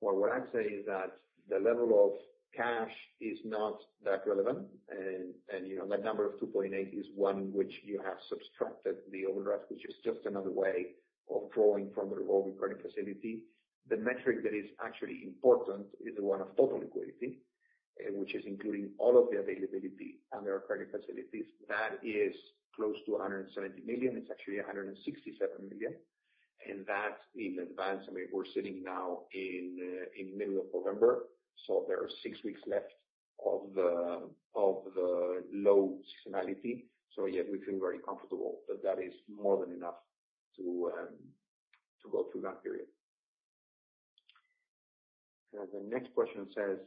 Well, what I'd say is that the level of cash is not that relevant. You know, that number of 2.8 million is one which you have subtracted the overdraft, which is just another way of drawing from the revolving credit facility. The metric that is actually important is the one of total liquidity, which is including all of the availability under our credit facilities. That is close to 170 million. It's actually 167 million. That in advance, I mean, we're sitting now in the middle of November, so there are six weeks left of the low seasonality. Yeah, we feel very comfortable that that is more than enough to go through that period. The next question says,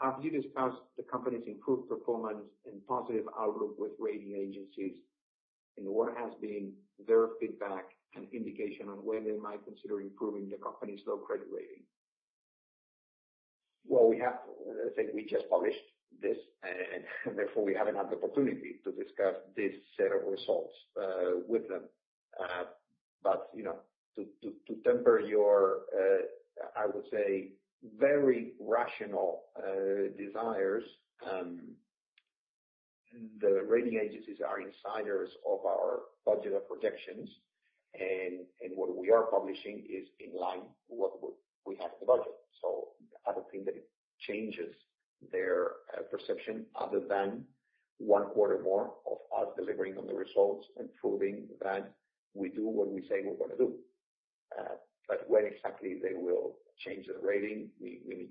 "Have you discussed the company's improved performance and positive outlook with rating agencies? And what has been their feedback and indication on when they might consider improving the company's low credit rating?" Well, we have. I think we just published this, and therefore we haven't had the opportunity to discuss this set of results with them. You know, to temper your, I would say, very rational desires, the rating agencies have insight into our budget projections, and what we are publishing is in line with what we have in the budget. So I don't think that it changes their perception other than one quarter more of us delivering on the results and proving that we do what we say we're gonna do. When exactly they will change the rating, we need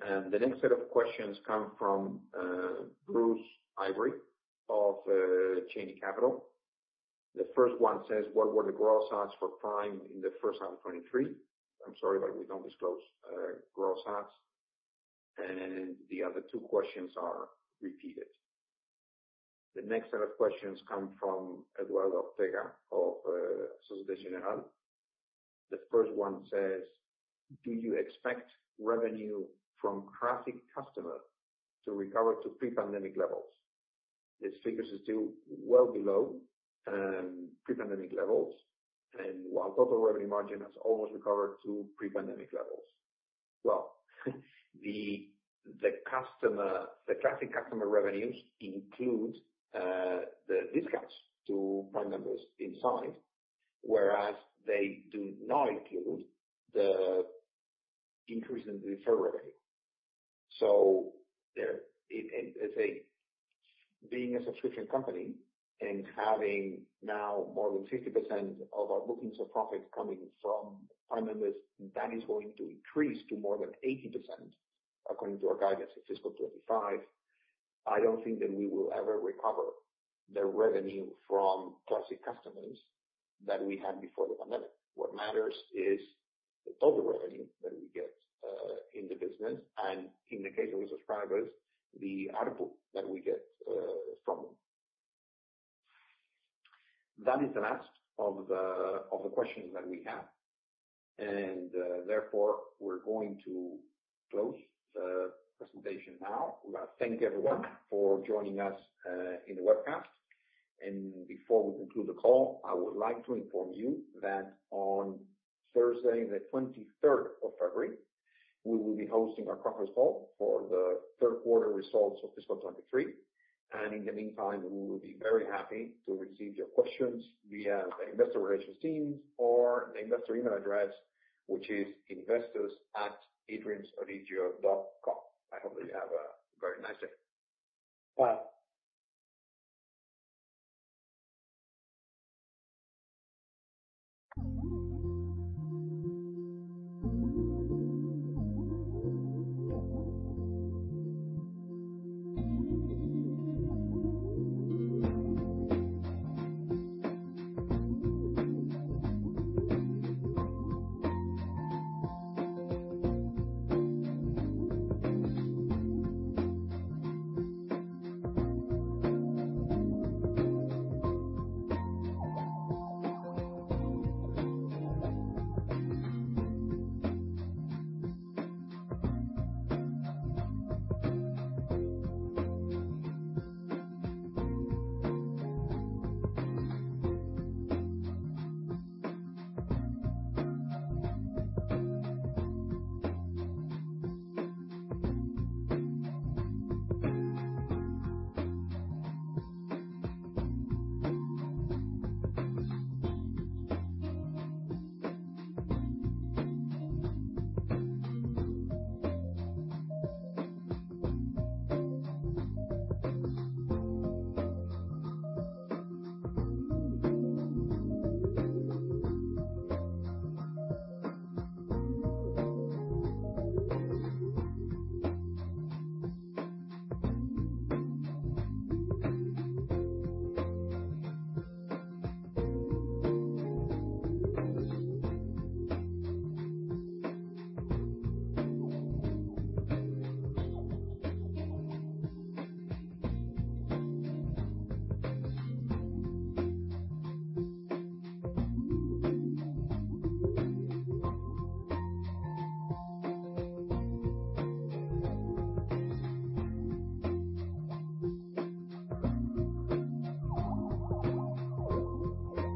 to see. The next set of questions come from Bruce Wellman of Cheyne Capital. The first one says, "What were the gross adds for Prime in the first half of 2023?" I'm sorry, but we don't disclose gross adds. And the other two questions are repeated. The next set of questions come from Eduardo Lega of Société Générale. The first one says, "Do you expect revenue from classic customers to recover to pre-pandemic levels? This figure is still well below pre-pandemic levels, and while total revenue margin has almost recovered to pre-pandemic levels." Well, the classic customer revenues include the discounts to Prime members inside, whereas they do not include the increase in the referral revenue. I say, being a subscription company and having now more than 50% of our bookings of profits coming from Prime members, that is going to increase to more than 80% according to our guidance in fiscal 2025. I don't think that we will ever recover the revenue from classic customers that we had before the pandemic. What matters is the total revenue that we get in the business and in the case of subscribers, the ARPU that we get from them. That is the last of the questions that we have. Therefore, we're going to close the presentation now. We want to thank everyone for joining us in the webcast. Before we conclude the call, I would like to inform you that on Thursday the 23rd of February, we will be hosting our conference call for the third quarter results of fiscal 2023. In the meantime, we will be very happy to receive your questions via the investor relations teams or the investor email address, which is investors@edreamsodigeo.com. I hope that you have a very nice day. Bye.